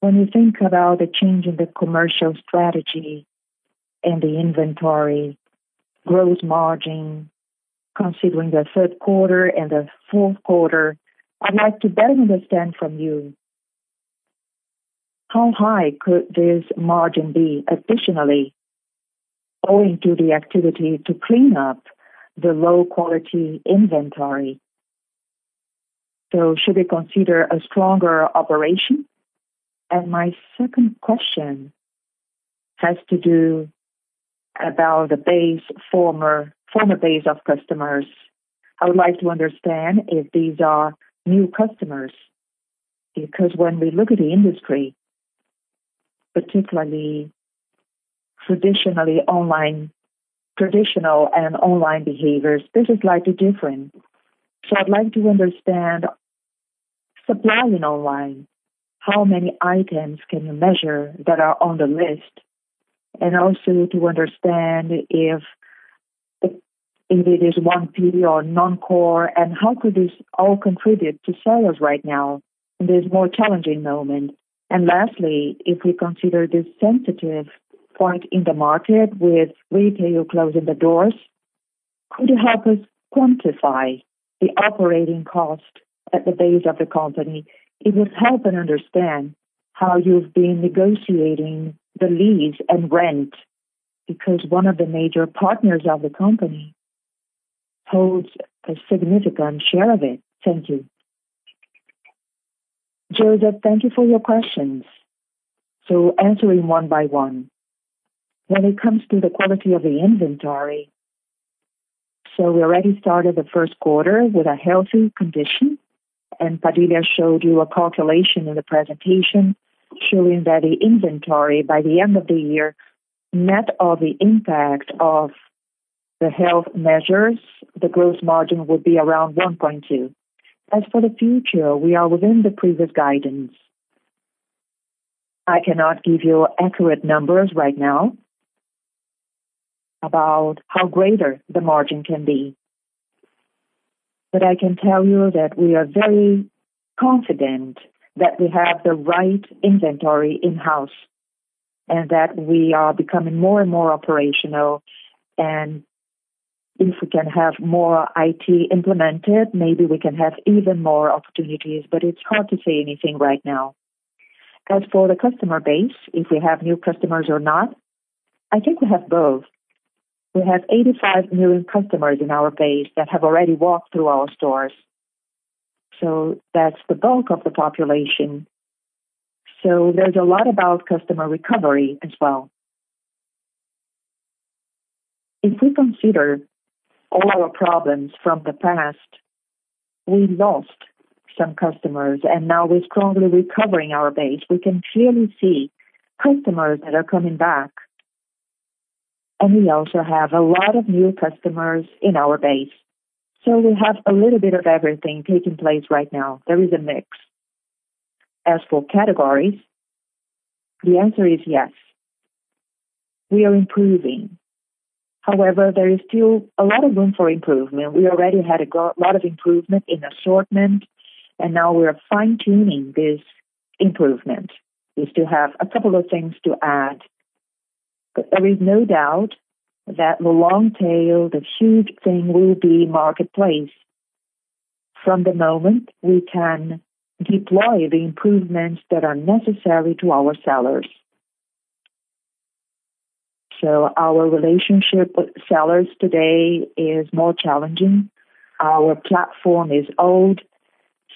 [SPEAKER 6] When you think about the change in the commercial strategy and the inventory gross margin, considering the third quarter and the fourth quarter, I'd like to better understand from you how high could this margin be additionally owing to the activity to clean up the low-quality inventory. Should we consider a stronger operation? My second question has to do about the former base of customers. I would like to understand if these are new customers, because when we look at the industry, particularly traditional and online behaviors, this is likely different. I'd like to understand supplying online, how many items can you measure that are on the list? Also to understand if it is 1P or non-core and how could this all contribute to sales right now in this more challenging moment. Lastly, if we consider this sensitive point in the market with retail closing the doors, could you help us quantify the operating cost at the base of the company? It would help in understanding how you've been negotiating the lease and rent, because one of the major partners of the company holds a significant share of it. Thank you.
[SPEAKER 2] Joseph, thank you for your questions. Answering one by one. When it comes to the quality of the inventory, we already started the first quarter with a healthy condition, and Padilha showed you a calculation in the presentation showing that the inventory by the end of the year, net of the impact of the health measures, the gross margin will be around 1.2. As for the future, we are within the previous guidance. I cannot give you accurate numbers right now about how greater the margin can be. I can tell you that we are very confident that we have the right inventory in-house, and that we are becoming more and more operational. If we can have more IT implemented, maybe we can have even more opportunities, but it's hard to say anything right now. As for the customer base, if we have new customers or not, I think we have both. We have 85 million customers in our base that have already walked through our stores. That's the bulk of the population. There's a lot about customer recovery as well. If we consider all our problems from the past, we lost some customers, and now we're strongly recovering our base. We can clearly see customers that are coming back. We also have a lot of new customers in our base. We have a little bit of everything taking place right now. There is a mix. As for categories, the answer is yes. We are improving. However, there is still a lot of room for improvement. We already had a lot of improvement in assortment, and now we're fine-tuning this improvement. We still have a couple of things to add. There is no doubt that the long tail, the huge thing will be marketplace from the moment we can deploy the improvements that are necessary to our sellers. Our relationship with sellers today is more challenging. Our platform is old,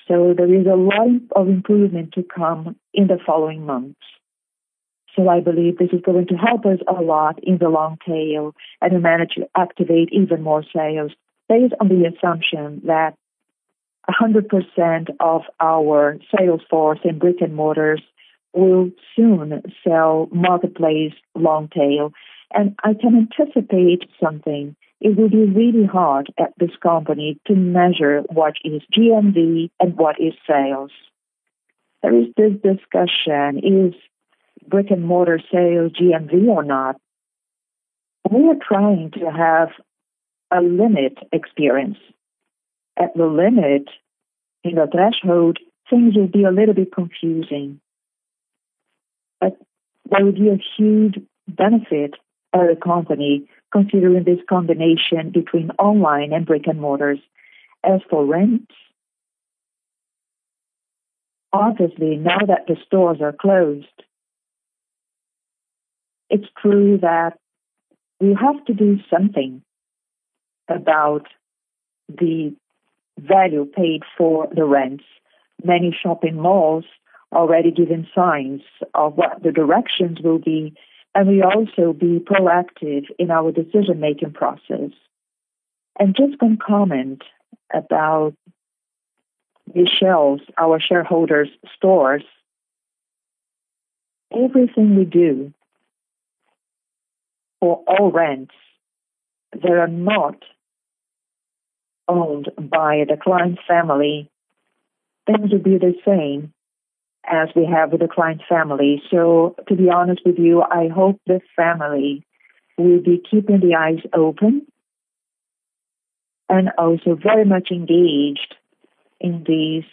[SPEAKER 2] so there is a lot of improvement to come in the following months. I believe this is going to help us a lot in the long tail as we manage to activate even more sales based on the assumption that 100% of our sales force in brick and mortars will soon sell marketplace long tail. I can anticipate something. It will be really hard at this company to measure what is GMV and what is sales. There is this discussion, is brick-and-mortar sales GMV or not? We are trying to have a limit experience. At the limit, in the threshold, things will be a little bit confusing. There would be a huge benefit for the company considering this combination between online and brick and mortars. As for rents, obviously, now that the stores are closed, it is true that we have to do something about the value paid for the rents. Many shopping malls already given signs of what the directions will be, we also be proactive in our decision-making process. Just one comment about Michael Klein's, our shareholder's stores. Everything we do for all rents that are not owned by the Klein family, things will be the same as we have with the Klein family. To be honest with you, I hope the family will be keeping their eyes open and also very much engaged in these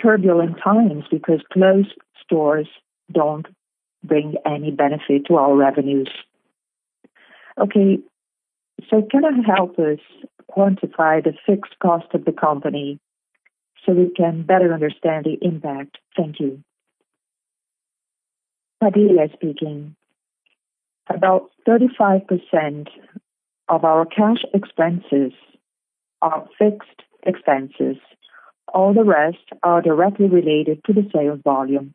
[SPEAKER 2] turbulent times because closed stores don't bring any benefit to our revenues.
[SPEAKER 6] Okay. Can you help us quantify the fixed cost of the company so we can better understand the impact? Thank you.
[SPEAKER 3] Padilha speaking. About 35% of our cash expenses are fixed expenses. All the rest are directly related to the sales volume.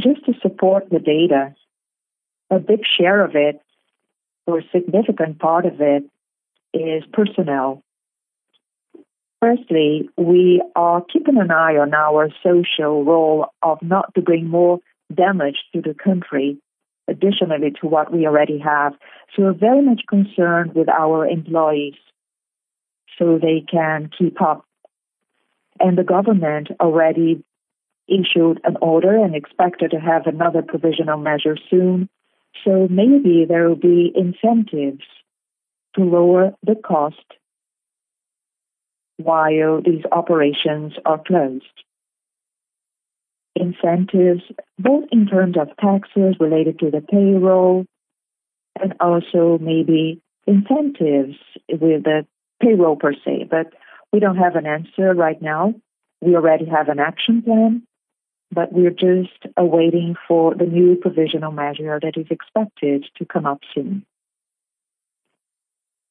[SPEAKER 3] Just to support the data, a big share of it, or a significant part of it, is personnel. Firstly, we are keeping an eye on our social role of not to bring more damage to the country additionally to what we already have. We're very much concerned with our employees so they can keep up. The government already issued an order and expected to have another provisional measure soon. Maybe there will be incentives to lower the cost while these operations are closed. Incentives both in terms of taxes related to the payroll and also maybe incentives with the payroll per se. We don't have an answer right now. We already have an action plan, but we're just waiting for the new provisional measure that is expected to come out soon.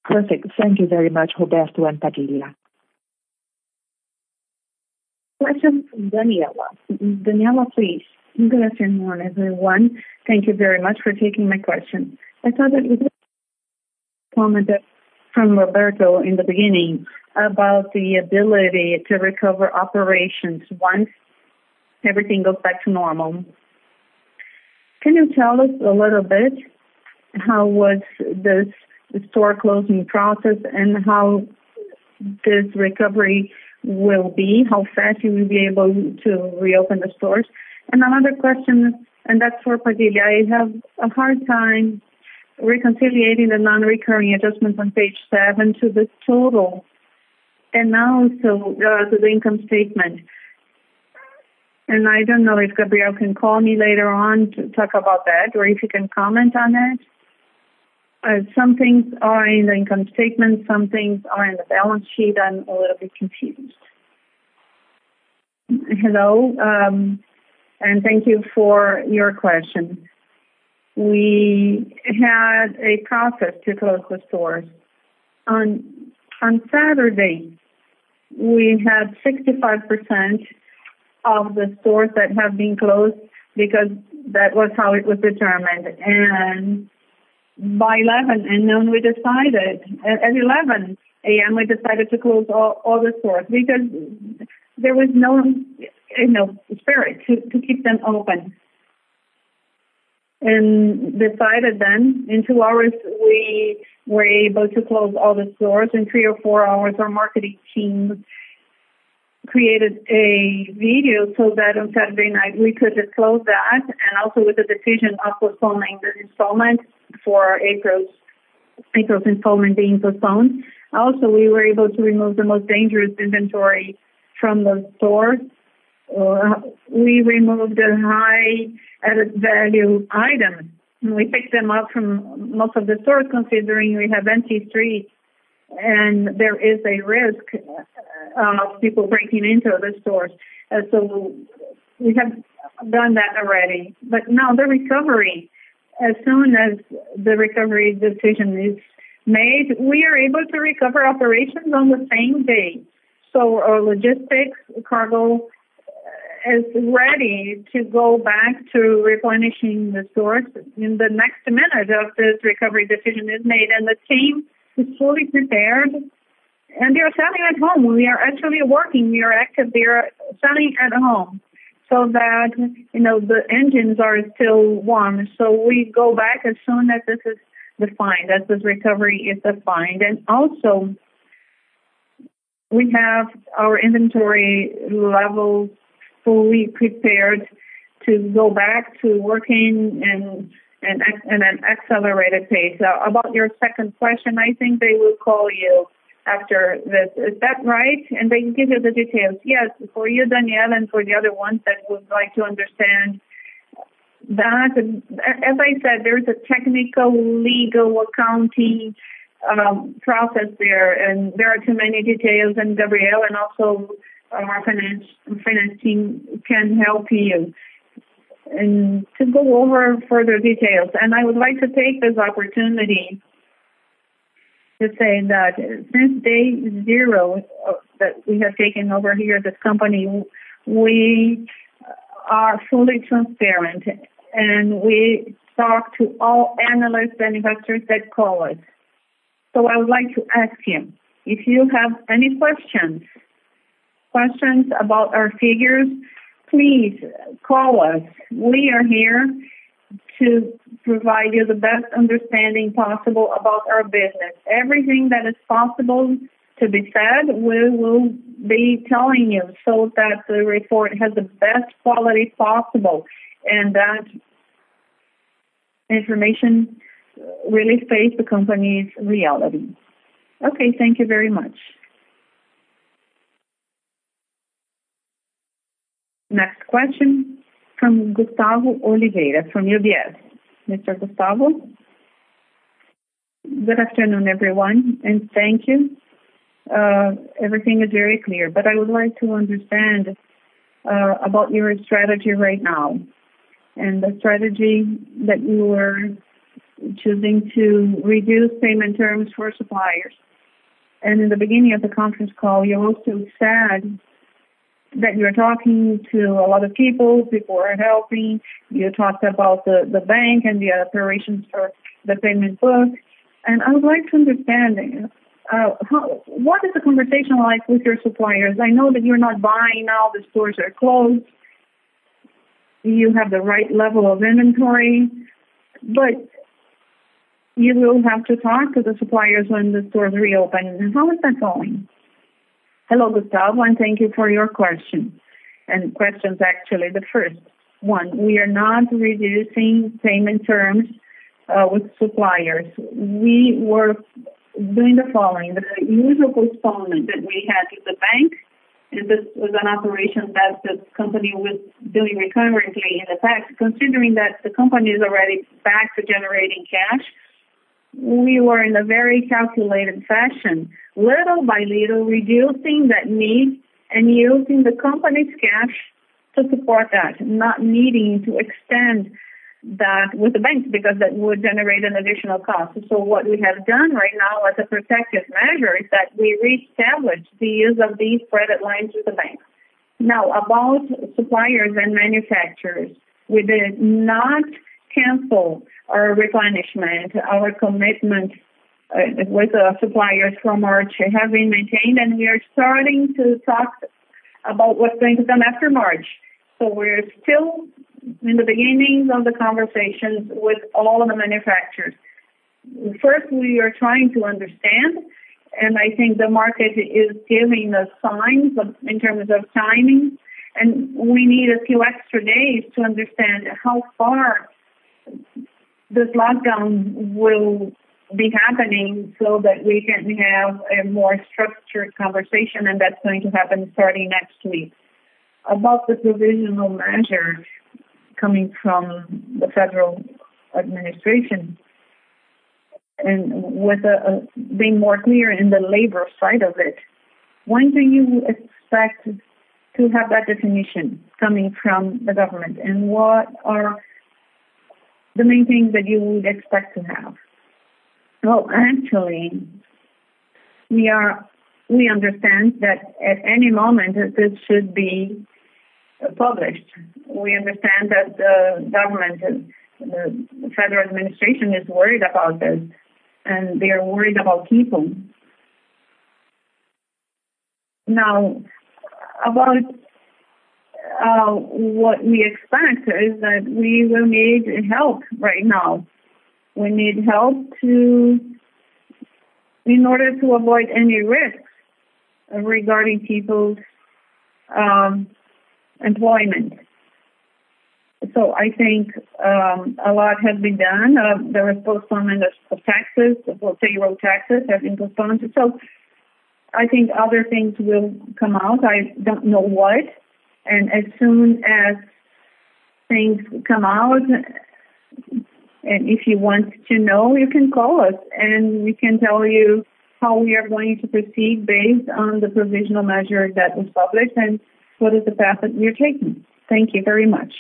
[SPEAKER 6] Perfect. Thank you very much, Roberto and Padilha.
[SPEAKER 1] Question from Daniela. Daniela, please.
[SPEAKER 7] Good afternoon, everyone. Thank you very much for taking my question. I thought that you just commented from Roberto in the beginning about the ability to recover operations once everything goes back to normal. Can you tell us a little bit how was this store closing process and how this recovery will be, how fast you will be able to reopen the stores? Another question, that's for Padilha. I have a hard time reconciling the non-recurring adjustments on page seven to this total, and now to the income statement. I don't know if Gabriel can call me later on to talk about that, or if you can comment on it. Some things are in the income statement, some things are in the balance sheet. I'm a little bit confused.
[SPEAKER 2] Hello, thank you for your question. We had a process to close the stores. On Saturday, we had 65% of the stores that have been closed because that was how it was determined. At 11:00 A.M., we decided to close all the stores because there was no spirit to keep them open. Decided then in two hours, we were able to close all the stores. In three or four hours, our marketing team created a video so that on Saturday night, we could disclose that, and also with the decision of postponing the installment for April's installment being postponed. Also, we were able to remove the most dangerous inventory from the stores. We removed the high added value items, and we picked them up from most of the stores, considering we have empty streets and there is a risk of people breaking into the stores. We have done that already. Now the recovery, as soon as the recovery decision is made, we are able to recover operations on the same day. Our logistics cargo is ready to go back to replenishing the stores in the next minute of this recovery decision is made. The team is fully prepared, and they're standing at home. We are actually working. We are active. We are standing at home so that the engines are still warm. We go back as soon as this is defined, as this recovery is defined. Also, we have our inventory levels fully prepared to go back to working in an accelerated pace. About your second question, I think they will call you after this. Is that right? They can give you the details. Yes. For you, Daniela, and for the other ones that would like to understand that. As I said, there is a technical legal accounting process there, and there are too many details, and Gabriel and also our finance team can help you to go over further details. I would like to take this opportunity to say that since day zero that we have taken over here this company, we are fully transparent, and we talk to all analysts, investors that call us. I would like to ask you, if you have any questions about our figures, please call us. We are here to provide you the best understanding possible about our business. Everything that is possible to be said, we will be telling you so that the report has the best quality possible. The information really states the company's reality.
[SPEAKER 7] Okay. Thank you very much.
[SPEAKER 1] Next question from Gustavo Oliveira from UBS. Mr. Gustavo.
[SPEAKER 8] Good afternoon, everyone, and thank you. Everything is very clear, but I would like to understand about your strategy right now and the strategy that you are choosing to reduce payment terms for suppliers. In the beginning of the conference call, you also said that you're talking to a lot of people. People are helping. You talked about the bank and the operations for the payment book, and I would like to understand, what is the conversation like with your suppliers? I know that you're not buying now. The stores are closed. You have the right level of inventory. You will have to talk to the suppliers when the stores reopen. How is that going?
[SPEAKER 2] Hello, Gustavo, and thank you for your question, questions, actually. The first one, we are not reducing payment terms with suppliers. We were doing the following. The use of postponement that we had with the bank, and this was an operation that the company was doing recurrently. In fact, considering that the company is already back to generating cash, we were in a very calculated fashion, little by little reducing that need and using the company's cash to support that, not needing to extend that with the banks, because that would generate an additional cost. What we have done right now as a protective measure is that we reestablished the use of these credit lines with the bank. Now, about suppliers and manufacturers, we did not cancel our replenishment.
[SPEAKER 3] Our commitment with the suppliers from March has been maintained, and we are starting to talk about what's going to come after March. We're still in the beginnings of the conversations with all of the manufacturers. First, we are trying to understand. I think the market is giving us signs in terms of timing. We need a few extra days to understand how far this lockdown will be happening so that we can have a more structured conversation. That's going to happen starting next week.
[SPEAKER 8] About the provisional measures coming from the federal administration and with being more clear in the labor side of it, when do you expect to have that definition coming from the government? What are the main things that you would expect to have?
[SPEAKER 2] Well, actually, we understand that at any moment, it should be published. We understand that the government and the federal administration is worried about this, and they are worried about people. What we expect is that we will need help right now. We need help in order to avoid any risks regarding people's employment. I think a lot has been done. There is postponement of taxes. The federal taxes have been postponed. I think other things will come out. I don't know what. As soon as things come out, and if you want to know, you can call us, and we can tell you how we are going to proceed based on the provisional measure that was published and what is the path that we are taking.
[SPEAKER 8] Thank you very much.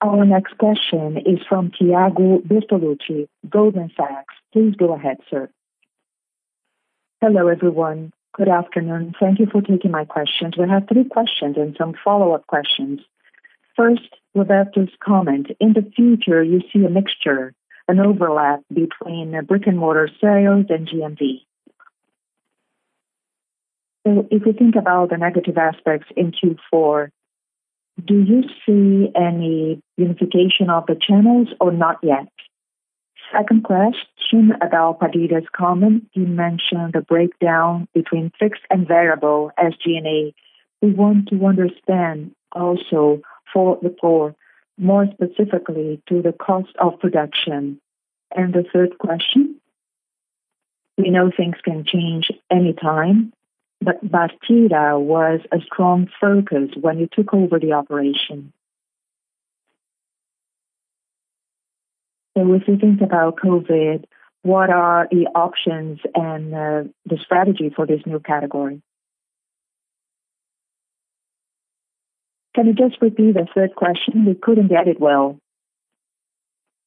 [SPEAKER 1] Our next question is from Thiago Macruz, Goldman Sachs. Please go ahead, sir.
[SPEAKER 9] Hello, everyone. Good afternoon. Thank you for taking my questions. We have three questions and some follow-up questions. First, Roberto's comment. In the future, you see a mixture, an overlap between brick-and-mortar sales and GMV. If you think about the negative aspects in Q4, do you see any unification of the channels or not yet? Second question about Padilha's comment. You mentioned the breakdown between fixed and variable SG&A. We want to understand also for the core, more specifically to the cost of production. The third question, we know things can change anytime, but Padilha was a strong focus when you took over the operation. If we think about COVID, what are the options and the strategy for this new category?
[SPEAKER 2] Can you just repeat the third question? We couldn't get it well.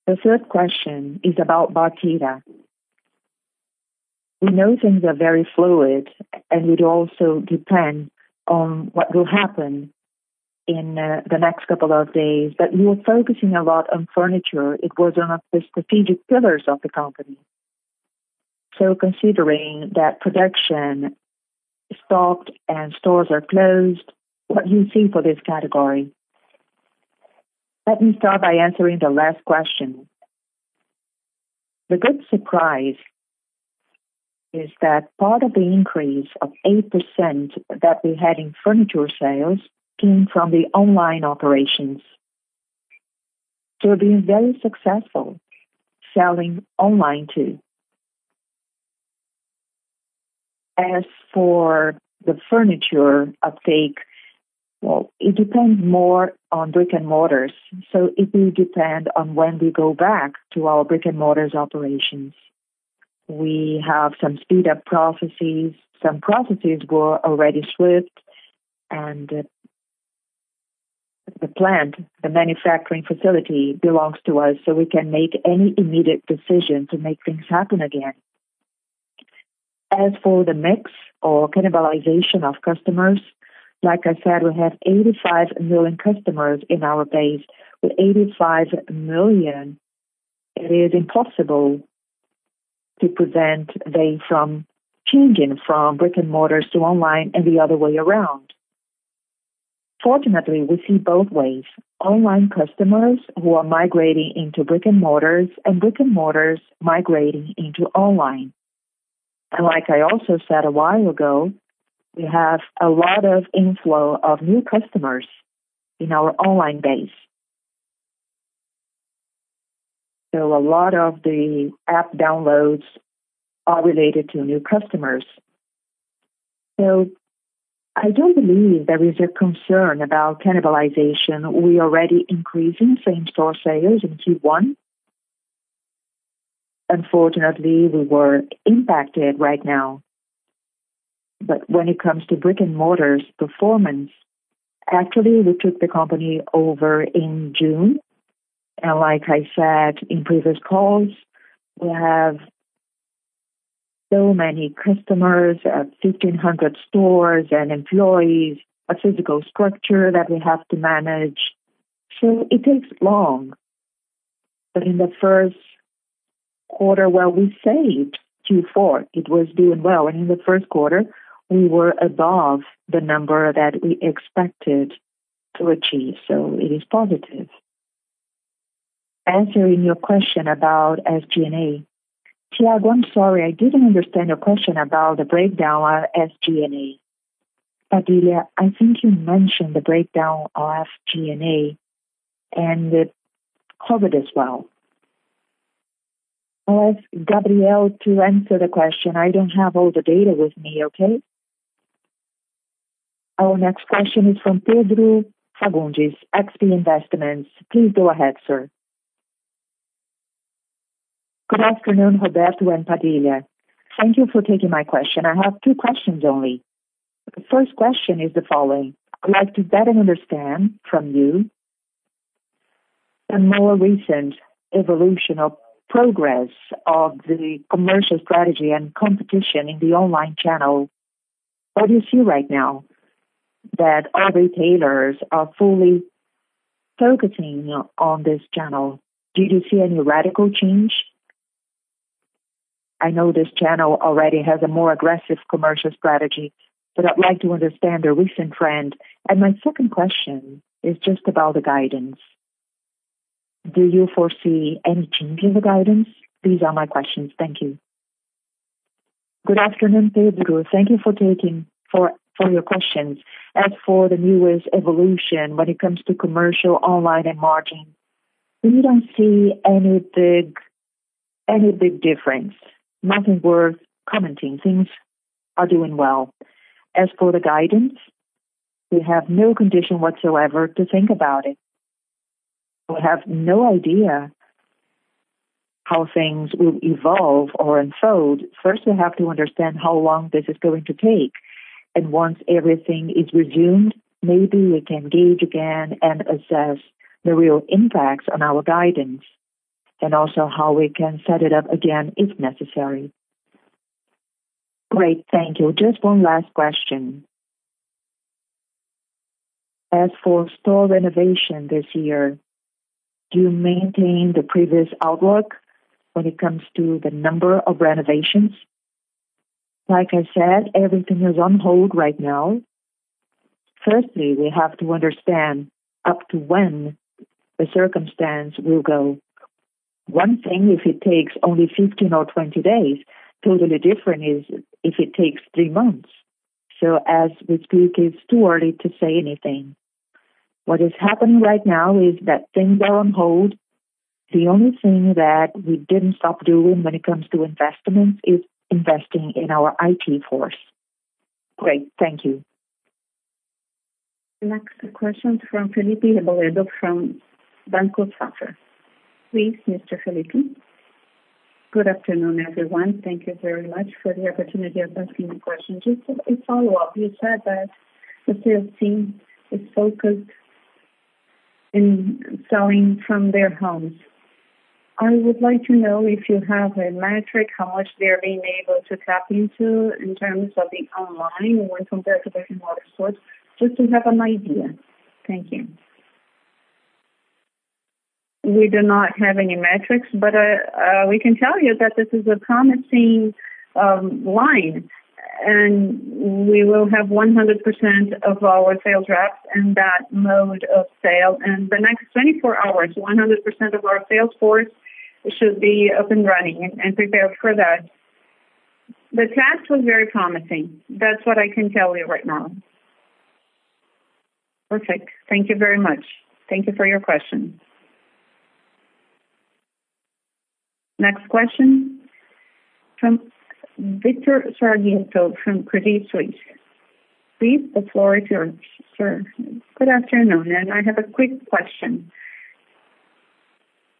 [SPEAKER 9] The third question is about Padilha. We know things are very fluid, and it also depends on what will happen in the next couple of days. You were focusing a lot on furniture. It was one of the strategic pillars of the company. Considering that production stopped and stores are closed, what do you see for this category?
[SPEAKER 2] Let me start by answering the last question. The good surprise is that part of the increase of 8% that we had in furniture sales came from the online operations. We're being very successful selling online too. As for the furniture uptake, well, it depends more on brick and mortars. It will depend on when we go back to our brick and mortars operations. We have some speed up processes. Some processes were already swift, and the plant, the manufacturing facility belongs to us, so we can make any immediate decision to make things happen again. As for the mix or cannibalization of customers, like I said, we have 85 million customers in our base. With 85 million, it is impossible to prevent them from changing from brick and mortars to online and the other way around. Fortunately, we see both ways. Online customers who are migrating into brick-and-mortars and brick-and-mortars migrating into online. Like I also said a while ago, we have a lot of inflow of new customers in our online base. A lot of the app downloads are related to new customers. I don't believe there is a concern about cannibalization. We already increasing same store sales in Q1. Unfortunately, we were impacted right now. When it comes to brick-and-mortars performance, actually we took the company over in June. Like I said in previous calls, we have so many customers at 1,500 stores and employees, a physical structure that we have to manage. It takes long. In the first quarter, well, we saved Q4. It was doing well. In the first quarter, we were above the number that we expected to achieve. It is positive. Answering your question about SG&A. Thiago, I'm sorry, I didn't understand your question about the breakdown on SG&A.
[SPEAKER 9] Padilha, I think you mentioned the breakdown of SG&A and COVID as well.
[SPEAKER 3] I will ask Gabriel to answer the question. I don't have all the data with me, okay?
[SPEAKER 1] Our next question is from Pedro Fagundes, XP Investments. Please go ahead, sir.
[SPEAKER 10] Good afternoon, Roberto and Padilha. Thank you for taking my question. I have two questions only. The first question is the following: I'd like to better understand from you the more recent evolution of progress of the commercial strategy and competition in the online channel. What you see right now that other retailers are fully focusing on this channel. Do you see any radical change? I know this channel already has a more aggressive commercial strategy, but I'd like to understand the recent trend. My second question is just about the guidance. Do you foresee any change in the guidance? These are my questions. Thank you.
[SPEAKER 2] Good afternoon, Pedro. Thank you for your questions. As for the newest evolution when it comes to commercial online and margin, we don't see any big difference. Nothing worth commenting. Things are doing well. As for the guidance, we have no condition whatsoever to think about it. We have no idea how things will evolve or unfold. First, we have to understand how long this is going to take. Once everything is resumed, maybe we can gauge again and assess the real impacts on our guidance, and also how we can set it up again if necessary.
[SPEAKER 10] Great. Thank you. Just one last question. As for store renovation this year, do you maintain the previous outlook when it comes to the number of renovations?
[SPEAKER 2] Like I said, everything is on hold right now. Firstly, we have to understand up to when the circumstance will go. One thing, if it takes only 15 or 20 days, totally different is if it takes three months. As we speak, it's too early to say anything. What is happening right now is that things are on hold. The only thing that we didn't stop doing when it comes to investments is investing in our IT force.
[SPEAKER 10] Great. Thank you.
[SPEAKER 1] Next question from Felipe Reboredo from Banco Safra. Please, Mr. Felipe.
[SPEAKER 11] Good afternoon, everyone. Thank you very much for the opportunity of asking a question. Just a follow-up. You said that the sales team is focused in selling from their homes. I would like to know if you have a metric, how much they're being able to tap into in terms of the online when compared to brick and mortar stores, just to have an idea. Thank you.
[SPEAKER 3] We do not have any metrics, but we can tell you that this is a promising line. We will have 100% of our sales reps in that mode of sale. In the next 24 hours, 100% of our sales force should be up and running and prepared for that. The test was very promising. That's what I can tell you right now.
[SPEAKER 11] Perfect. Thank you very much.
[SPEAKER 1] Thank you for your question. Next question from Victor Saragiotto from Credit Suisse. Please, the floor is yours, sir.
[SPEAKER 12] Good afternoon. I have a quick question.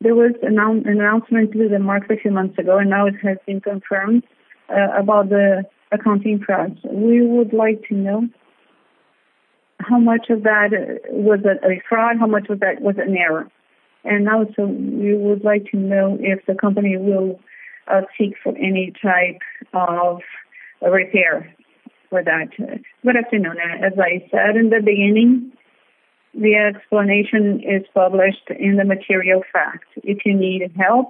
[SPEAKER 12] There was an announcement to the market a few months ago, and now it has been confirmed, about the accounting fraud. We would like to know how much of that was a fraud, how much of that was an error. Also, we would like to know if the company will seek for any type of repair for that.
[SPEAKER 3] Good afternoon. As I said in the beginning, the explanation is published in the material fact. If you need help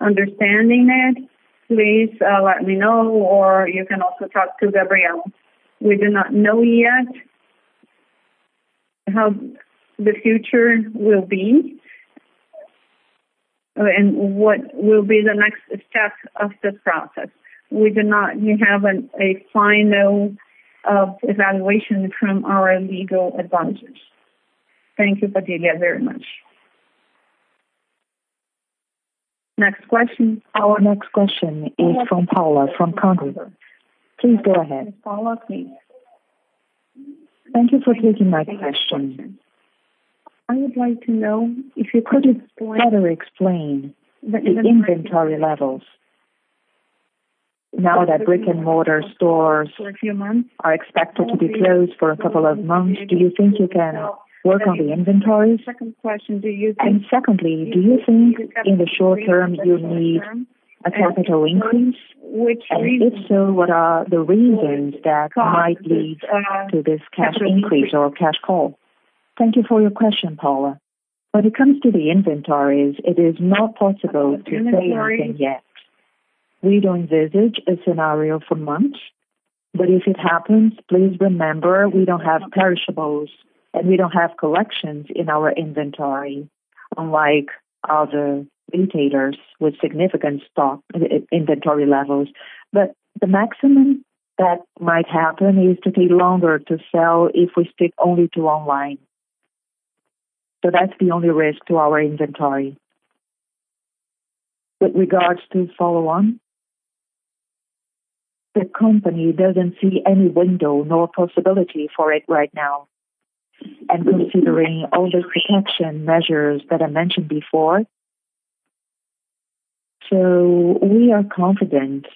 [SPEAKER 3] understanding it, please let me know, or you can also talk to Gabriel. We do not know yet how the future will be and what will be the next step of this process. We do not have a final evaluation from our legal advisors.
[SPEAKER 12] Thank you, Padilha, very much.
[SPEAKER 2] Next question.
[SPEAKER 1] Our next question is from Paula from Cantor. Please go ahead. Paula, please.
[SPEAKER 13] Thank you for taking my question. Could you better explain the inventory levels now that brick-and-mortar stores are expected to be closed for a couple of months. Do you think you can work on the inventories? Secondly, do you think in the short term, you need a capital increase? If so, what are the reasons that might lead to this cash increase or cash call?
[SPEAKER 2] Thank you for your question, Paula. When it comes to the inventories, it is not possible to say anything yet. We don't envisage a scenario for months, but if it happens, please remember we don't have perishables and we don't have collections in our inventory, unlike other retailers with significant stock inventory levels. The maximum that might happen is to take longer to sell if we stick only to online. That's the only risk to our inventory. With regards to follow-on, the company doesn't see any window nor possibility for it right now and considering all the protection measures that I mentioned before. We are confident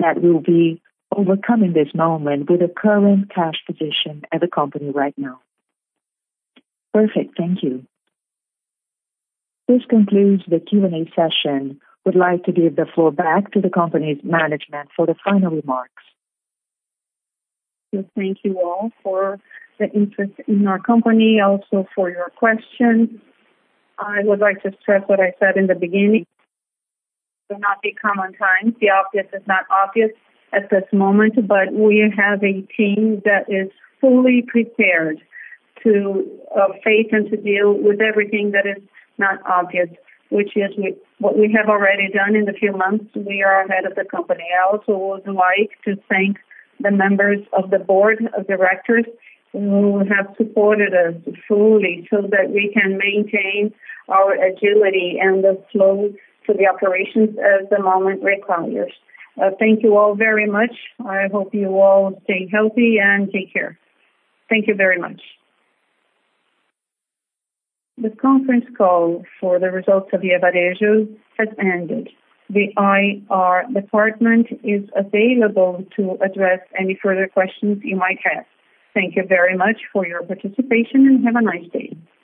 [SPEAKER 2] that we'll be overcoming this moment with the current cash position at the company right now.
[SPEAKER 13] Perfect. Thank you.
[SPEAKER 1] This concludes the Q&A session. We would like to give the floor back to the company's management for the final remarks.
[SPEAKER 2] Thank you all for the interest in our company, also for your questions. I would like to stress what I said in the beginning. It will not be common times. The obvious is not obvious at this moment, but we have a team that is fully prepared to face and to deal with everything that is not obvious, which is what we have already done in a few months. We are ahead of the company. I also would like to thank the members of the board of directors who have supported us fully so that we can maintain our agility and the flow to the operations as the moment requires. Thank you all very much. I hope you all stay healthy and take care. Thank you very much. The conference call for the results of Via Varejo has ended. The IR department is available to address any further questions you might have. Thank you very much for your participation, and have a nice day.